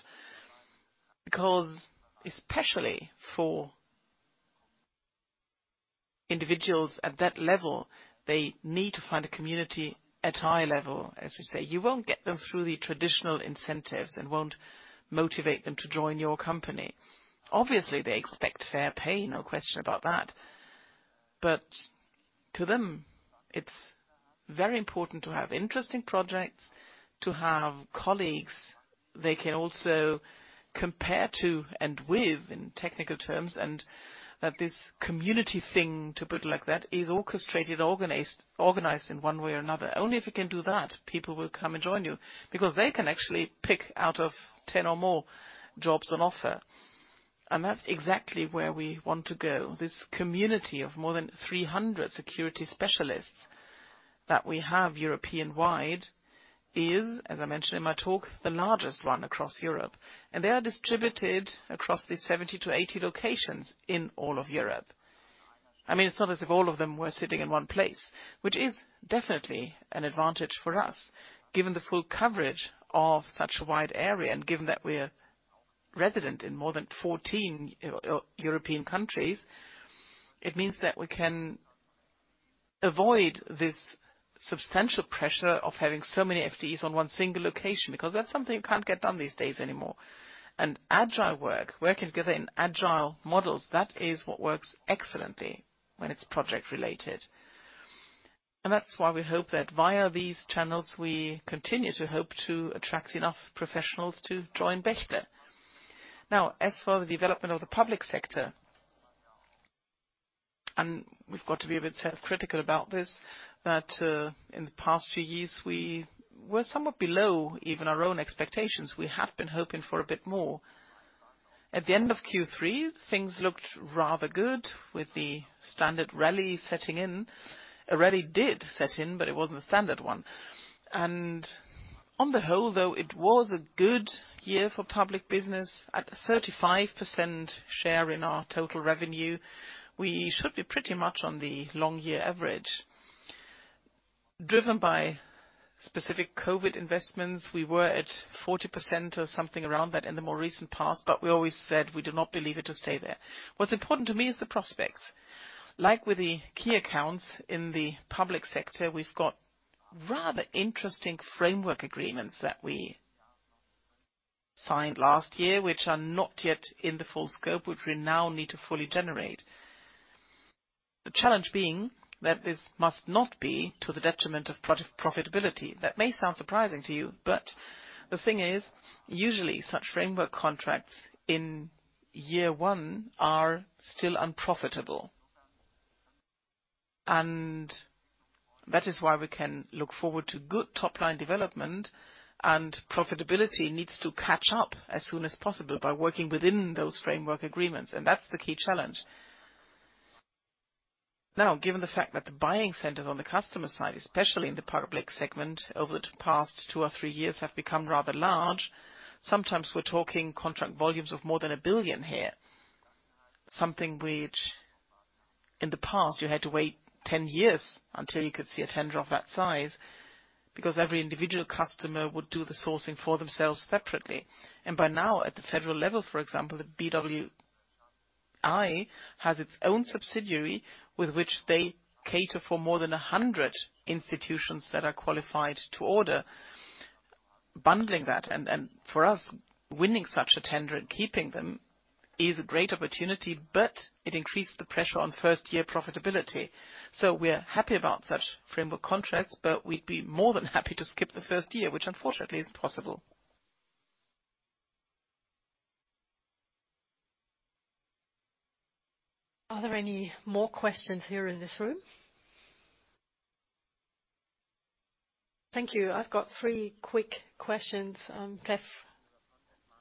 Especially for individuals at that level, they need to find a community at eye level, as we say. You won't get them through the traditional incentives and won't motivate them to join your company. Obviously, they expect fair pay, no question about that. To them, it's very important to have interesting projects, to have colleagues they can also compare to and with, in technical terms, and that this community thing, to put it like that, is orchestrated, organized in one way or another. Only if you can do that, people will come and join you. Because they can actually pick out of 10 or more jobs on offer. That's exactly where we want to go. This community of more than 300 security specialists that we have European-wide is, as I mentioned in my talk, the largest one across Europe. They are distributed across these 70-80 locations in all of Europe. I mean, it's not as if all of them were sitting in one place, which is definitely an advantage for us. Given the full coverage of such a wide area and given that we're resident in more than 14 European countries, it means that we can avoid this substantial pressure of having so many FTEs on one single location, because that's something you can't get done these days anymore. Agile work, working together in agile models, that is what works excellently when it's project related. That's why we hope that via these channels, we continue to hope to attract enough professionals to join Bechtle. Now, as for the development of the public sector, and we've got to be a bit self-critical about this, but, in the past few years, we were somewhat below even our own expectations. We had been hoping for a bit more. At the end of Q3, things looked rather good with the standard rally setting in. A rally did set in, but it wasn't a standard one. On the whole, though, it was a good year for public business. At a 35% share in our total revenue, we should be pretty much on the long year average. Driven by specific COVID investments, we were at 40% or something around that in the more recent past. We always said we do not believe it to stay there. What's important to me is the prospects. Like with the key accounts in the public sector, we've got rather interesting framework agreements that we signed last year, which are not yet in the full scope, which we now need to fully generate. The challenge being that this must not be to the detriment of profitability. That may sound surprising to you. The thing is, usually such framework contracts in year one are still unprofitable. That is why we can look forward to good top-line development. Profitability needs to catch up as soon as possible by working within those framework agreements. That's the key challenge. Given the fact that the buying centers on the customer side, especially in the public segment, over the past two or three years have become rather large, sometimes we're talking contract volumes of more than 1 billion here. Something which in the past you had to wait 10 years until you could see a tender of that size, because every individual customer would do the sourcing for themselves separately. By now, at the federal level, for example, the BWI has its own subsidiary with which they cater for more than 100 institutions that are qualified to order. Bundling that and for us, winning such a tender and keeping them is a great opportunity, but it increased the pressure on first-year profitability. We're happy about such framework contracts, but we'd be more than happy to skip the first year, which unfortunately is possible. Are there any more questions here in this room? Thank you. I've got three quick questions. Cleff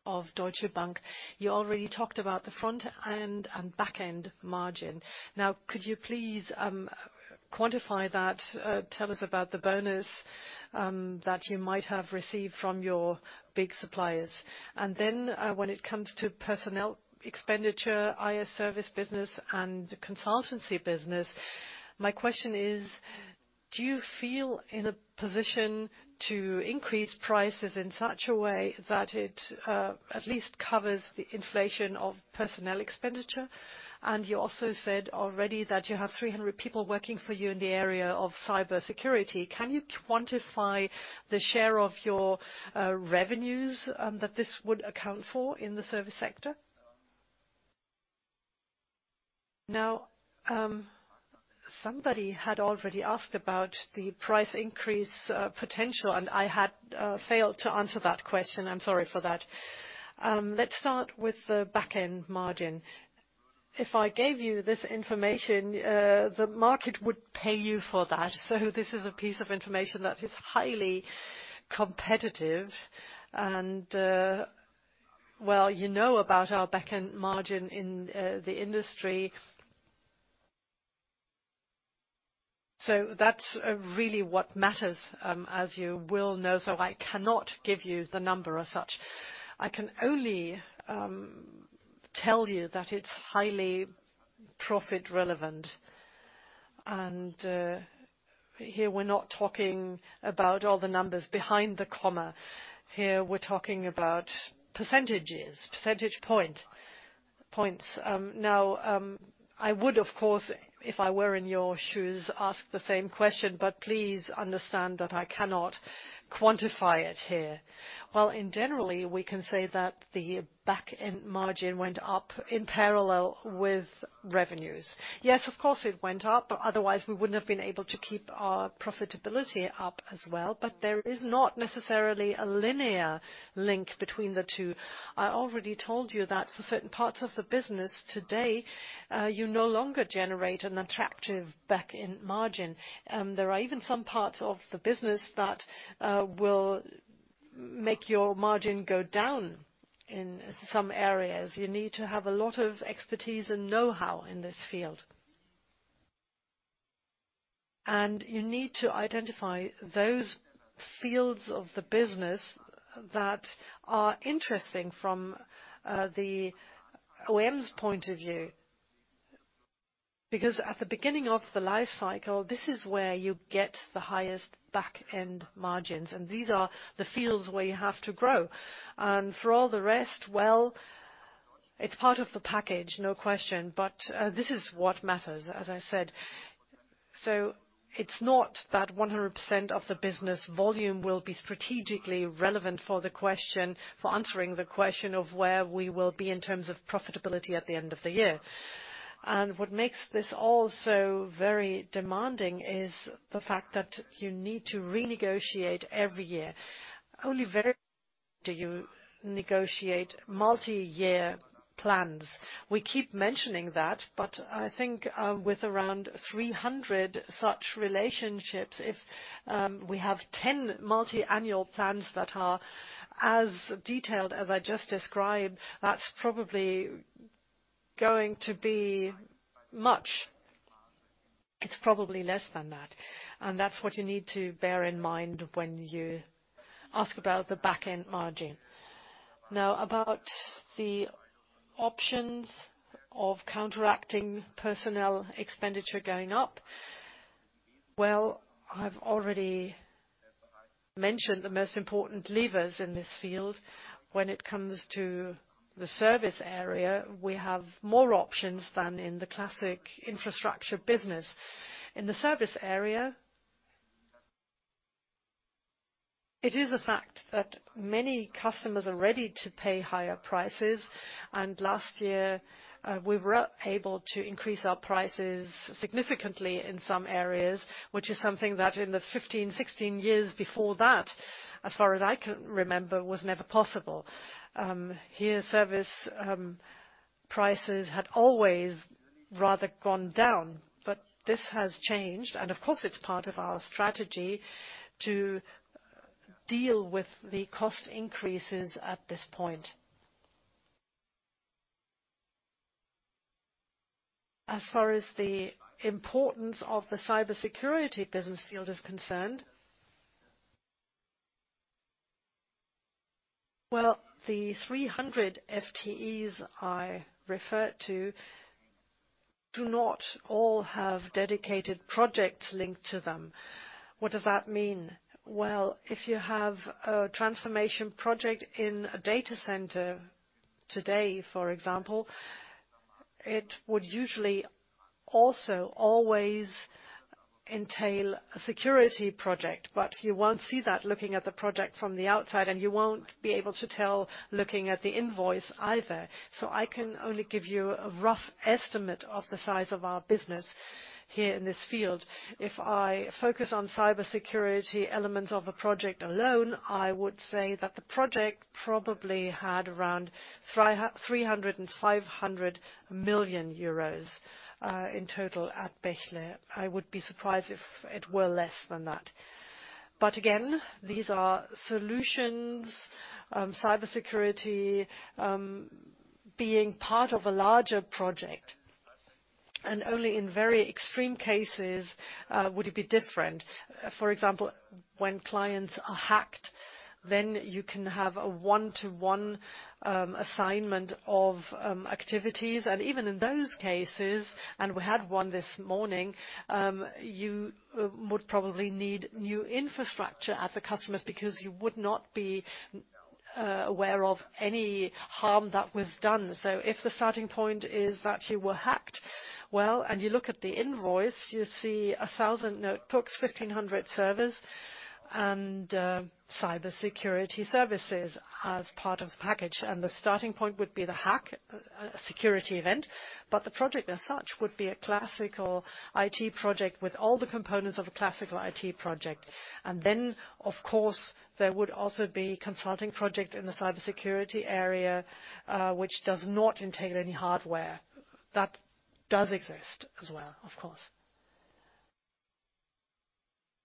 of Deutsche Bank. You already talked about the front-end and back-end margin. Now, could you please quantify that? Tell us about the bonus that you might have received from your big suppliers. When it comes to personnel expenditure, IS service business, and consultancy business, my question is, do you feel in a position to increase prices in such a way that it at least covers the inflation of personnel expenditure? You also said already that you have 300 people working for you in the area of cybersecurity. Can you quantify the share of your revenues that this would account for in the service sector? Somebody had already asked about the price increase potential, and I had failed to answer that question. I'm sorry for that. Let's start with the back-end margin. If I gave you this information, the market would pay you for that. This is a piece of information that is highly competitive. Well, you know about our back-end margin in the industry. That's really what matters, as you will know. I cannot give you the number as such. I can only tell you that it's highly profit relevant. Here we're not talking about all the numbers behind the comma. Here, we're talking about percentages, percentage point, points. Now, I would, of course, if I were in your shoes, ask the same question, but please understand that I cannot quantify it here. In general, we can say that the back-end margin went up in parallel with revenues. Of course, it went up, otherwise we wouldn't have been able to keep our profitability up as well. There is not necessarily a linear link between the two. I already told you that for certain parts of the business today, you no longer generate an attractive back-end margin. There are even some parts of the business that will make your margin go down in some areas. You need to have a lot of expertise and know-how in this field. You need to identify those fields of the business that are interesting from the OEM's point of view. Because at the beginning of the life cycle, this is where you get the highest back-end margins, and these are the fields where you have to grow. For all the rest, well, it's part of the package, no question. This is what matters, as I said. It's not that 100% of the business volume will be strategically relevant for answering the question of where we will be in terms of profitability at the end of the year. What makes this all so very demanding is the fact that you need to renegotiate every year. Only very do you negotiate multi-year plans. We keep mentioning that, but I think, with around 300 such relationships, if we have 10 multi-annual plans that are as detailed as I just described, that's probably going to be much. It's probably less than that. That's what you need to bear in mind when you ask about the back-end margin. About the options of counteracting personnel expenditure going up. I've already mentioned the most important levers in this field. When it comes to the service area, we have more options than in the classic infrastructure business. In the service area, it is a fact that many customers are ready to pay higher prices, last year, we were able to increase our prices significantly in some areas, which is something that in the 15, 16 years before that, as far as I can remember, was never possible. Here, service prices had always rather gone down, but this has changed. Of course, it's part of our strategy to deal with the cost increases at this point. As far as the importance of the cybersecurity business field is concerned, the 300 FTEs I referred to do not all have dedicated projects linked to them. What does that mean? If you have a transformation project in a data center today, for example, it would usually also always entail a security project. You won't see that looking at the project from the outside, and you won't be able to tell looking at the invoice either. I can only give you a rough estimate of the size of our business here in this field. If I focus on cybersecurity elements of a project alone, I would say that the project probably had around 300 million euros and 500 million euros in total at Bechtle. I would be surprised if it were less than that. Again, these are solutions, cybersecurity, being part of a larger project, and only in very extreme cases, would it be different. For example, when clients are hacked, then you can have a one-to-one assignment of activities. Even in those cases, and we had one this morning, you would probably need new infrastructure at the customers because you would not be aware of any harm that was done. If the starting point is that you were hacked, well, and you look at the invoice, you see 1,000 notebooks, 1,500 servers. Cybersecurity services as part of the package. The starting point would be the hack, security event, but the project as such would be a classical IT project with all the components of a classical IT project. Then, of course, there would also be consulting project in the cybersecurity area, which does not entail any hardware. That does exist as well, of course.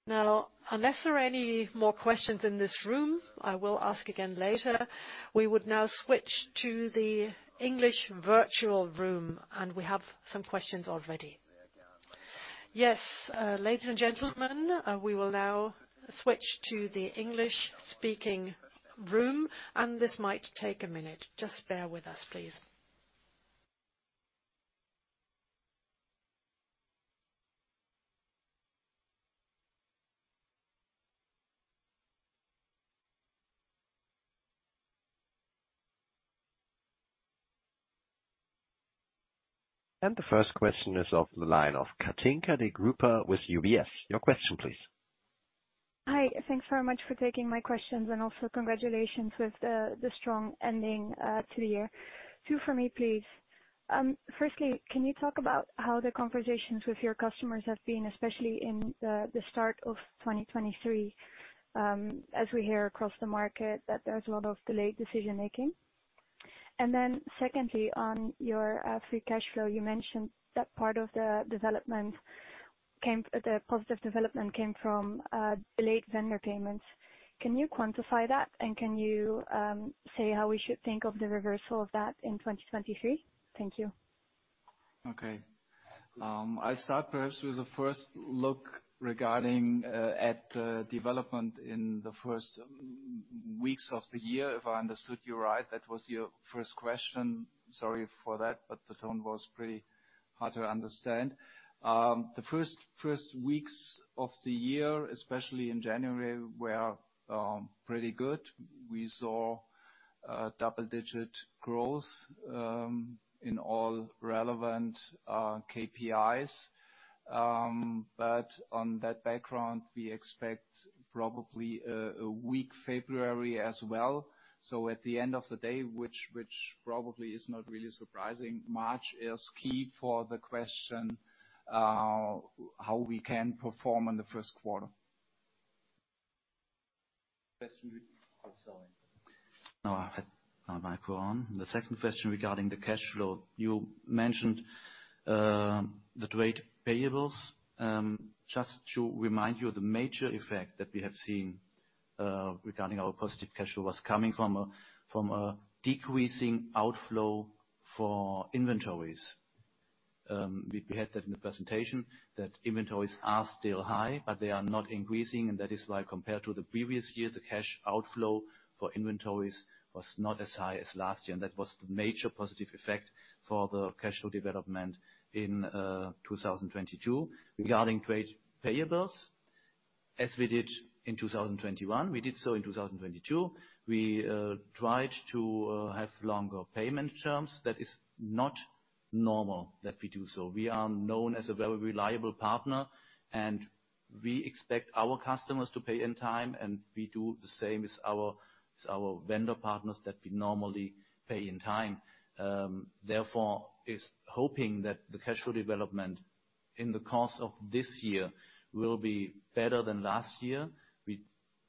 Unless there are any more questions in this room, I will ask again later. We would now switch to the English virtual room, and we have some questions already. Ladies and gentlemen, we will now switch to the English-speaking room, and this might take a minute. Just bear with us, please. The first question is of the line of Kathinka De Kuyper with UBS. Your question please. Hi. Thanks very much for taking my questions. Also congratulations with the strong ending to the year. Two for me, please. Firstly, can you talk about how the conversations with your customers have been, especially in the start of 2023, as we hear across the market that there's a lot of delayed decision-making? Secondly, on your free cash flow, you mentioned that part of the development came, the positive development came from delayed vendor payments. Can you quantify that? Can you say how we should think of the reversal of that in 2023? Thank you. Okay. I'll start perhaps with a first look regarding at the development in the first weeks of the year. If I understood you right, that was your first question. Sorry for that, but the tone was pretty hard to understand. The first weeks of the year, especially in January, were pretty good. We saw double-digit growth in all relevant KPIs. On that background, we expect probably a weak February as well. At the end of the day, which probably is not really surprising, March is key for the question how we can perform in the first quarter. Question with... Oh, sorry. No, I had my mic on. The second question regarding the cash flow, you mentioned the trade payables. Just to remind you, the major effect that we have seen regarding our positive cash flow was coming from a decreasing outflow for inventories. We had that in the presentation, that inventories are still high, but they are not increasing, and that is why, compared to the previous year, the cash outflow for inventories was not as high as last year. That was the major positive effect for the cash flow development in 2022. Regarding trade payables, as we did in 2021, we did so in 2022. We tried to have longer payment terms. That is not normal that we do so. We are known as a very reliable partner. We expect our customers to pay in time, and we do the same as our vendor partners that we normally pay in time. Therefore, it's hoping that the cash flow development in the course of this year will be better than last year. We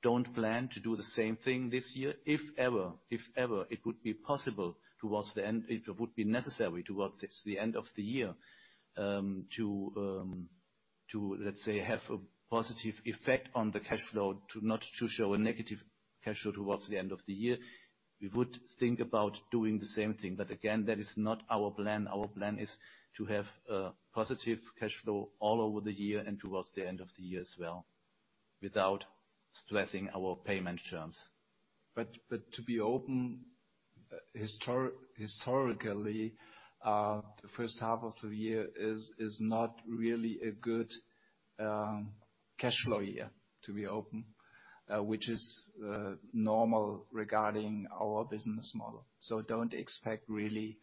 don't plan to do the same thing this year. If ever it would be possible towards the end, if it would be necessary towards the end of the year, to, let's say, have a positive effect on the cash flow not to show a negative cash flow towards the end of the year, we would think about doing the same thing. Again, that is not our plan. Our plan is to have a positive cash flow all over the year and towards the end of the year as well, without stressing our payment terms. To be open, historically, the first half of the year is not really a good cash flow year, to be open, which is normal regarding our business model. Don't expect really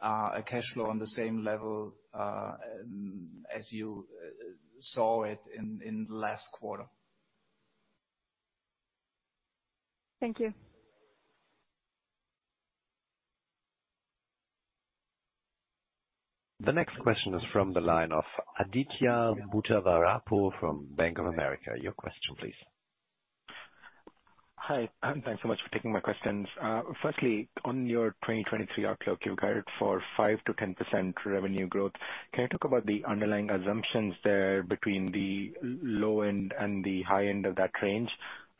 a cash flow on the same level as you saw it in the last quarter. Thank you. The next question is from the line of Aditya Buddhavarapu from Bank of America. Your question please. Hi, thanks so much for taking my questions. Firstly, on your 2023 outlook, you guided for 5%-10% revenue growth. Can you talk about the underlying assumptions there between the low end and the high end of that range,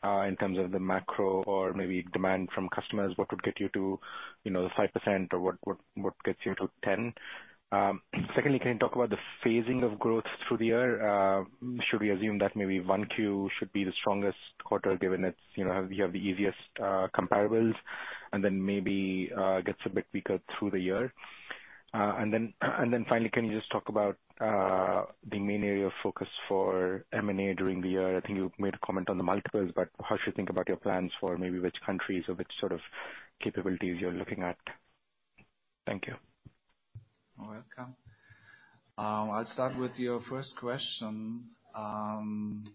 in terms of the macro or maybe demand from customers? What would get you to, you know, the 5% or what gets you to 10? Secondly, can you talk about the phasing of growth through the year? Should we assume that maybe 1Q should be the strongest quarter given it's, you know, you have the easiest comparables, and then maybe gets a bit weaker through the year? Finally, can you just talk about the main area of focus for M&A during the year? I think you made a comment on the multiples, but how should you think about your plans for maybe which countries or which sort of capabilities you're looking at? Thank you. You're welcome. I'll start with your first question. From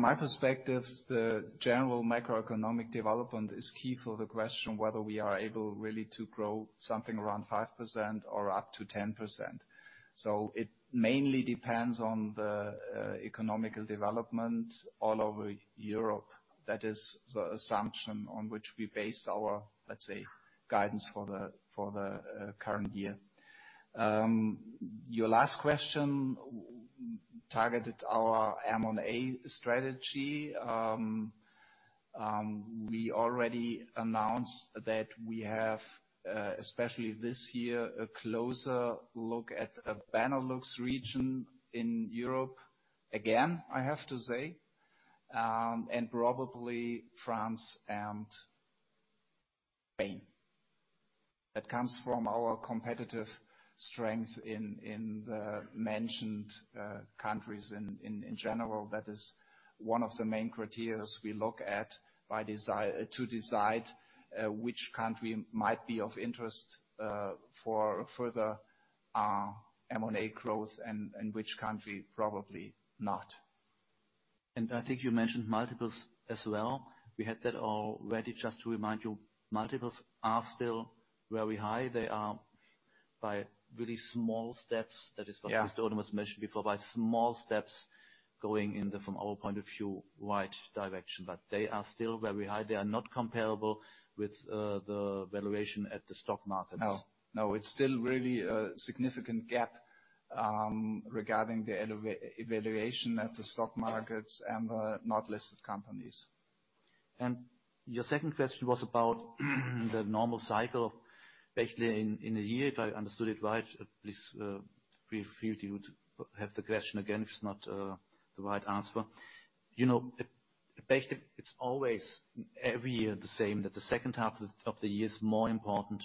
my perspective, the general macroeconomic development is key for the question whether we are able really to grow something around 5% or up to 10%. It mainly depends on the economical development all over Europe. That is the assumption on which we base our, let's say, guidance for the current year. Your last question targeted our M&A strategy. We already announced that we have especially this year, a closer look at Benelux region in Europe again, I have to say, and probably France and Spain. That comes from our competitive strength in the mentioned countries in general. That is one of the main criterias we look at to decide, which country might be of interest for further M&A growth and which country probably not. I think you mentioned multiples as well. We had that already. Just to remind you, multiples are still very high. They are by really small steps. Yeah. Was mentioned before, by small steps going in the, from our point of view, right direction. They are still very high. They are not comparable with the valuation at the stock markets. No. No, it's still really a significant gap, regarding the evaluation at the stock markets and the not listed companies. Your second question was about the normal cycle, basically in a year, if I understood it right. Please feel free to have the question again if it's not the right answer. You know, at Bechtle it's always every year the same, that the second half of the year is more important,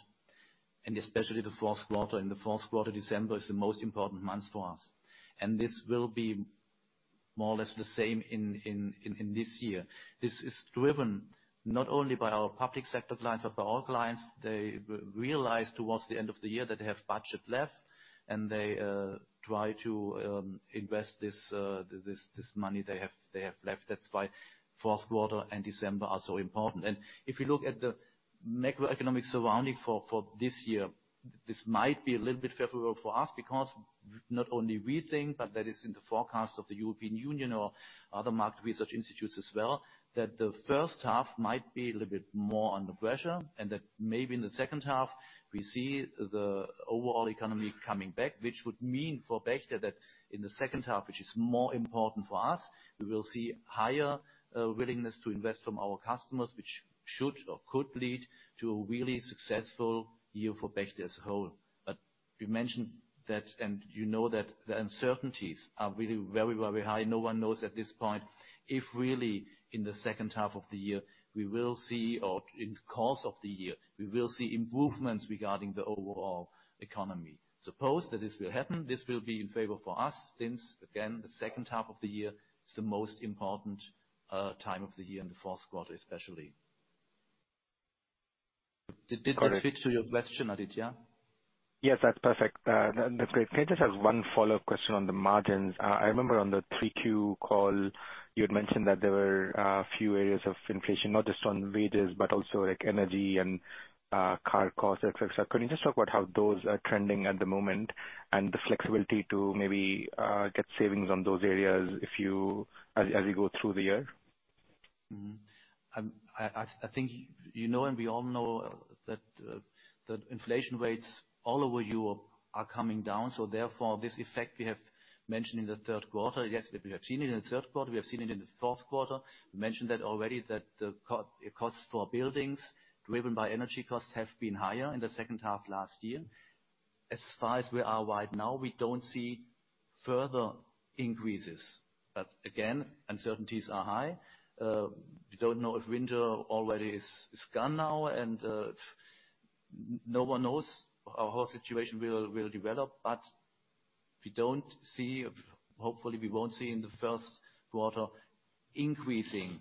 and especially the fourth quarter. In the fourth quarter, December is the most important month for us. This will be more or less the same in this year. This is driven not only by our public sector clients but by all clients. They realize towards the end of the year that they have budget left and they try to invest this money they have left. That's why fourth quarter and December are so important. If you look at the macroeconomic surrounding for this year, this might be a little bit favorable for us because not only we think, but that is in the forecast of the European Union or other market research institutes as well, that the first half might be a little bit more under pressure and that maybe in the second half we see the overall economy coming back. Which would mean for Bechtle that in the second half, which is more important for us, we will see higher willingness to invest from our customers, which should or could lead to a really successful year for Bechtle as a whole. We mentioned that and you know that the uncertainties are really very, very high. No one knows at this point, if really in the second half of the year we will see, or in the course of the year, we will see improvements regarding the overall economy. Suppose that this will happen, this will be in favor for us since, again, the second half of the year is the most important time of the year, in the fourth quarter especially. Did this fit to your question, Aditya? Yes, that's perfect. That's great. Can I just have one follow-up question on the margins? I remember on the 3Q call, you had mentioned that there were a few areas of inflation, not just on wages, but also like energy and car costs, et cetera. Can you just talk about how those are trending at the moment and the flexibility to maybe get savings on those areas as we go through the year? I think you know and we all know that inflation rates all over Europe are coming down. This effect we have mentioned in the third quarter. Yes, we have seen it in the third quarter, we have seen it in the fourth quarter. Mentioned that already, that the costs for buildings driven by energy costs have been higher in the second half last year. As far as we are right now, we don't see further increases. Uncertainties are high. We don't know if winter already is gone now and no one knows how whole situation will develop. We don't see, hopefully we won't see in the first quarter, increasing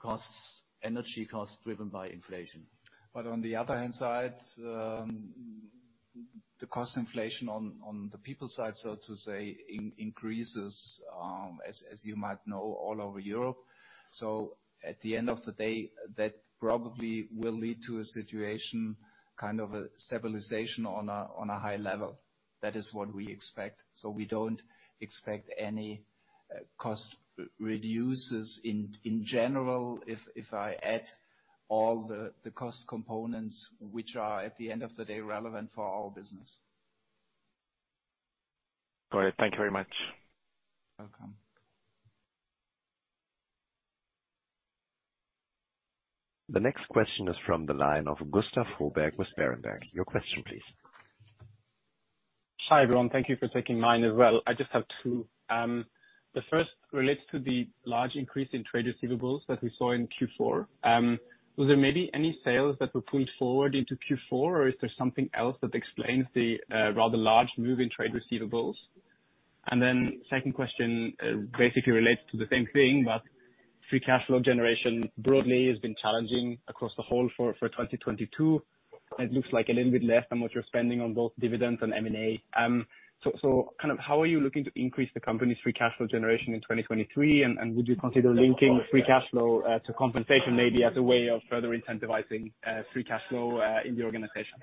costs, energy costs driven by inflation. On the other hand side, the cost inflation on the people side, so to say, increases, as you might know, all over Europe. At the end of the day, that probably will lead to a situation, kind of a stabilization on a high level. That is what we expect. We don't expect any cost reduces in general, if I add all the cost components, which are, at the end of the day, relevant for our business. Got it. Thank you very much. You're welcome. The next question is from the line of Gustav Froberg with Berenberg. Your question, please. Hi, everyone. Thank you for taking mine as well. I just have two. The first relates to the large increase in trade receivables that we saw in Q4. Was there maybe any sales that were pulled forward into Q4, or is there something else that explains the rather large move in trade receivables? Second question, basically relates to the same thing, but free cash flow generation broadly has been challenging across the whole for 2022. It looks like a little bit less than what you're spending on both dividends and M&A. Kind of how are you looking to increase the company's free cash flow generation in 2023? Would you consider linking free cash flow to compensation maybe as a way of further incentivizing free cash flow in the organization?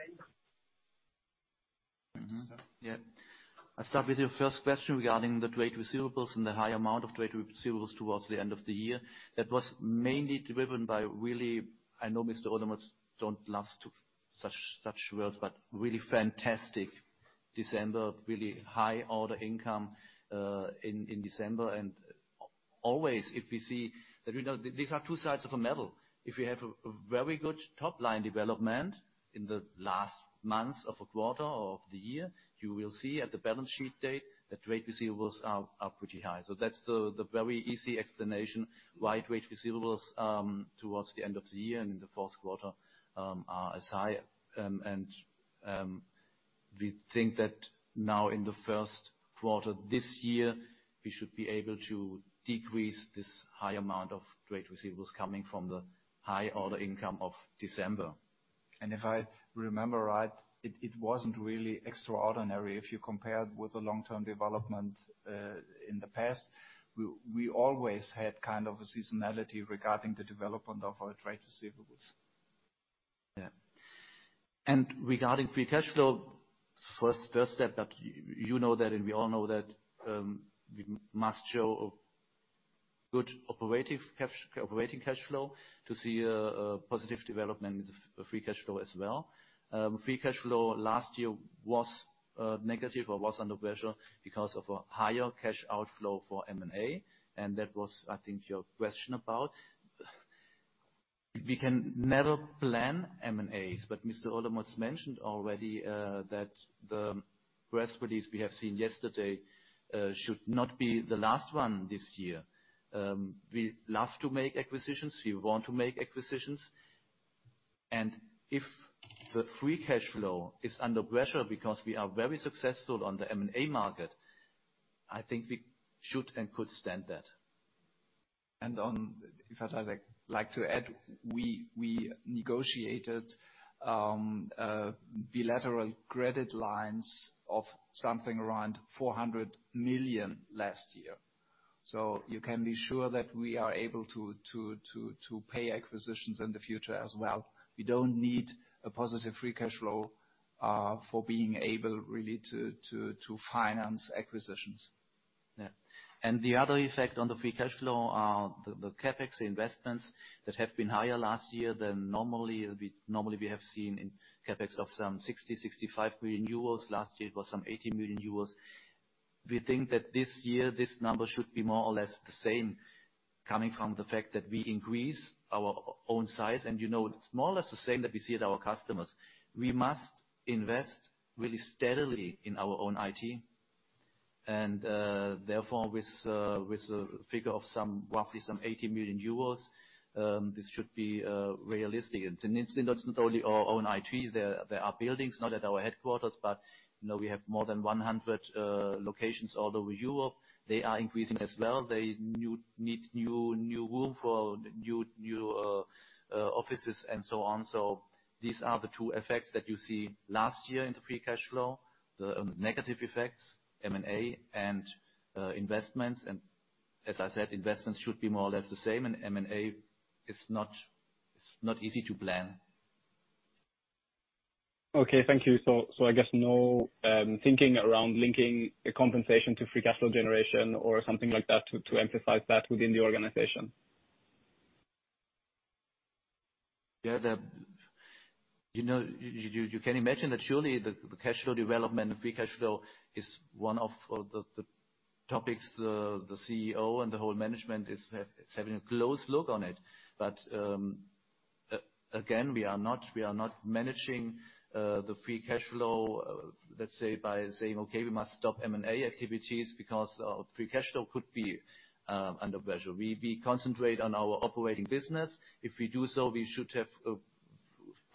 Yeah. I'll start with your first question regarding the trade receivables and the high amount of trade receivables towards the end of the year. That was mainly driven by really, I know Mr. Olemotz don't like to such words, but really fantastic December, really high order income in December. Always if we see that, you know, these are two sides of a medal. If we have a very good top-line development in the last months of a quarter or of the year, you will see at the balance sheet date that trade receivables are pretty high. That's the very easy explanation why trade receivables towards the end of the year and in the fourth quarter are as high. We think that now in the first quarter this year, we should be able to decrease this high amount of trade receivables coming from the high order income of December. If I remember right, it wasn't really extraordinary if you compare with the long-term development in the past. We always had kind of a seasonality regarding the development of our trade receivables. Yeah. Regarding free cash flow, first step that you know that and we all know that, we must show a good operating cash flow to see a positive development with the free cash flow as well. Free cash flow last year was negative or was under pressure because of a higher cash outflow for M&A, and that was I think your question about. We can never plan M&As. Mr. Olemotz mentioned already that the press release we have seen yesterday should not be the last one this year. We love to make acquisitions. We want to make acquisitions. If the free cash flow is under pressure because we are very successful on the M&A market, I think we should and could stand that. If I'd like to add, we negotiated bilateral credit lines of something around 400 million last year. You can be sure that we are able to pay acquisitions in the future as well. We don't need a positive free cash flow for being able really to finance acquisitions. Yeah. The other effect on the free cash flow are the CapEx investments that have been higher last year than normally. Normally we have seen in CapEx of some 60 million-65 million euros. Last year it was some 80 million euros. We think that this year this number should be more or less the same coming from the fact that we increase our own size. You know, it's more or less the same that we see at our customers. We must invest really steadily in our own IT, therefore, with a figure of roughly some 80 million euros, this should be realistic. It's not only our own IT. There are buildings, not at our headquarters, but, you know, we have more than 100 locations all over Europe. They are increasing as well. They need new room for new offices and so on. These are the two effects that you see last year in the free cash flow, the negative effects, M&A and investments. As I said, investments should be more or less the same. M&A is not, it's not easy to plan. Okay, thank you. I guess no, thinking around linking the compensation to free cash flow generation or something like that to emphasize that within the organization. You know, you can imagine that surely the cash flow development, free cash flow is one of the topics the CEO and the whole management is having a close look on it. Again, we are not, we are not managing the free cash flow, let's say by saying, "Okay, we must stop M&A activities because our free cash flow could be under pressure." We concentrate on our operating business. If we do so, we should have a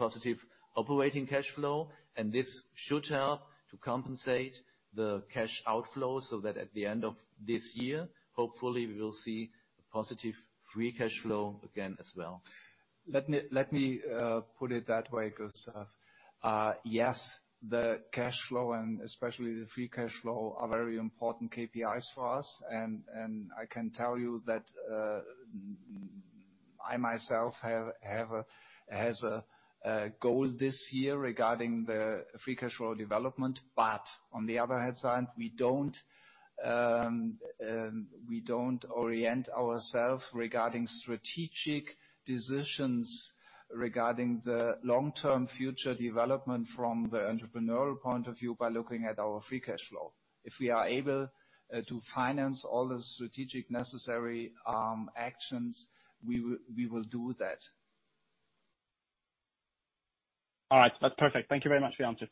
positive operating cash flow, and this should help to compensate the cash outflow so that at the end of this year, hopefully we will see a positive free cash flow again as well. Let me put it that way, Gustav. Yes, the cash flow and especially the free cash flow are very important KPIs for us. And I can tell you that I myself has a goal this year regarding the free cash flow development. But on the other hand side, we don't orient ourself regarding strategic decisions regarding the long-term future development from the entrepreneurial point of view by looking at our free cash flow. If we are able to finance all the strategic necessary actions, we will do that. All right. That's perfect. Thank you very much for the answer.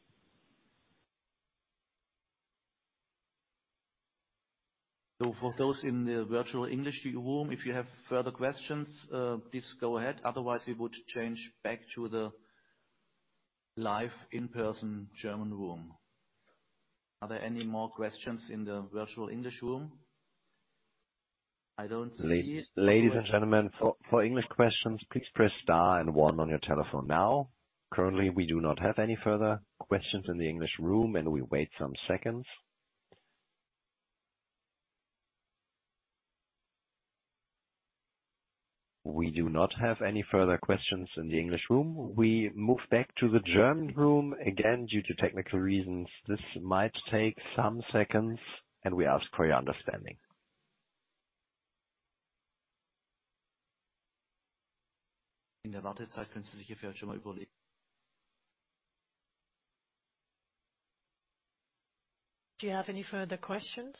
For those in the virtual English room, if you have further questions, please go ahead. Otherwise, we would change back to Live in-person German room. Are there any more questions in the virtual English room? ladies and gentlemen, for English questions, please press star and one on your telephone now. Currently, we do not have any further questions in the English room, and we wait some seconds. We do not have any further questions in the English room. We move back to the German room. Again, due to technical reasons, this might take some seconds, and we ask for your understanding. Do you have any further questions?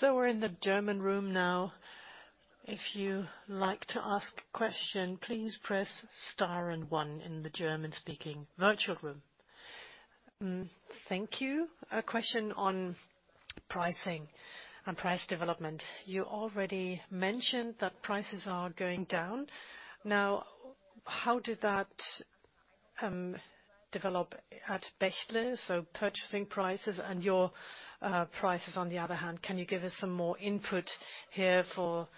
We're in the German room now. If you like to ask a question, please press star and one in the German-speaking virtual room. Thank you. A question on pricing and price development. You already mentioned that prices are going down. How did that develop at Bechtle, so purchasing prices and your prices on the other hand? Can you give us some more input here for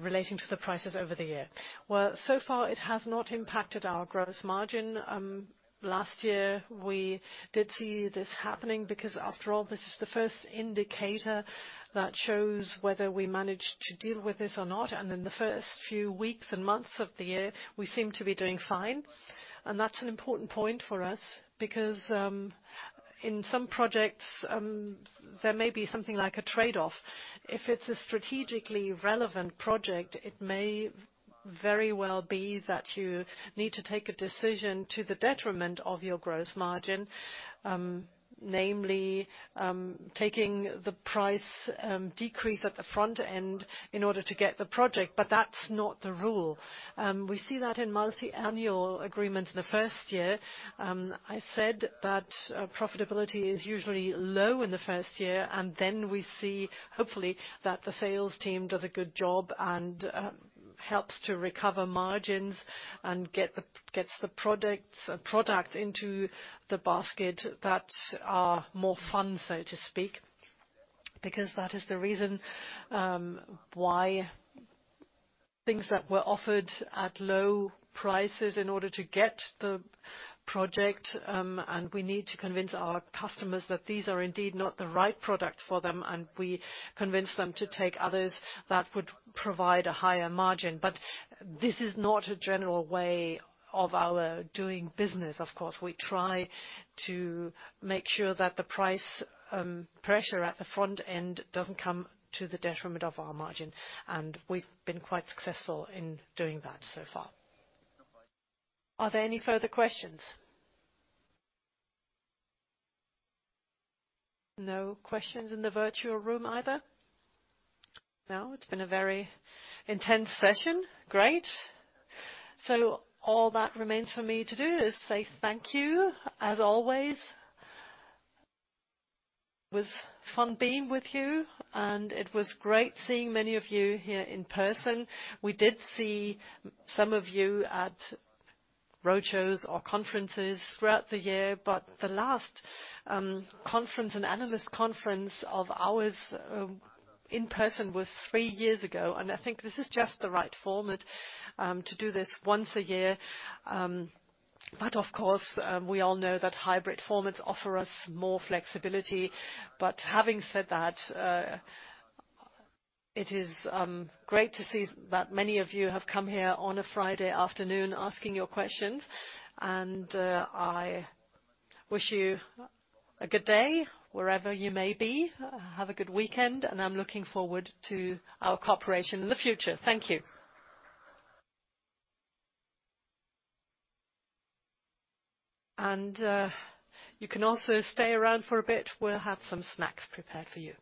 relating to the prices over the year? So far it has not impacted our gross margin. Last year, we did see this happening because after all, this is the first indicator that shows whether we managed to deal with this or not. In the first few weeks and months of the year, we seem to be doing fine. That's an important point for us because, in some projects, there may be something like a trade-off. If it's a strategically relevant project, it may very well be that you need to take a decision to the detriment of your gross margin, namely, taking the price decrease at the front end in order to get the project. That's not the rule. We see that in multi-annual agreement in the first year. I said that profitability is usually low in the first year, and then we see, hopefully, that the sales team does a good job and helps to recover margins and gets the products into the basket that are more fun, so to speak. That is the reason why things that were offered at low prices in order to get the project, and we need to convince our customers that these are indeed not the right product for them, and we convince them to take others that would provide a higher margin. This is not a general way of our doing business. Of course, we try to make sure that the price pressure at the front end doesn't come to the detriment of our margin, and we've been quite successful in doing that so far. Are there any further questions? No questions in the virtual room either? It's been a very intense session. Great. All that remains for me to do is say thank you, as always. It was fun being with you, and it was great seeing many of you here in person. We did see some of you at roadshows or conferences throughout the year, but the last conference and analyst conference of ours in person was three years ago. I think this is just the right format to do this once a year. Of course, we all know that hybrid formats offer us more flexibility. Having said that, it is great to see that many of you have come here on a Friday afternoon asking your questions. I wish you a good day wherever you may be. Have a good weekend, and I'm looking forward to our cooperation in the future. Thank you. You can also stay around for a bit. We'll have some snacks prepared for you.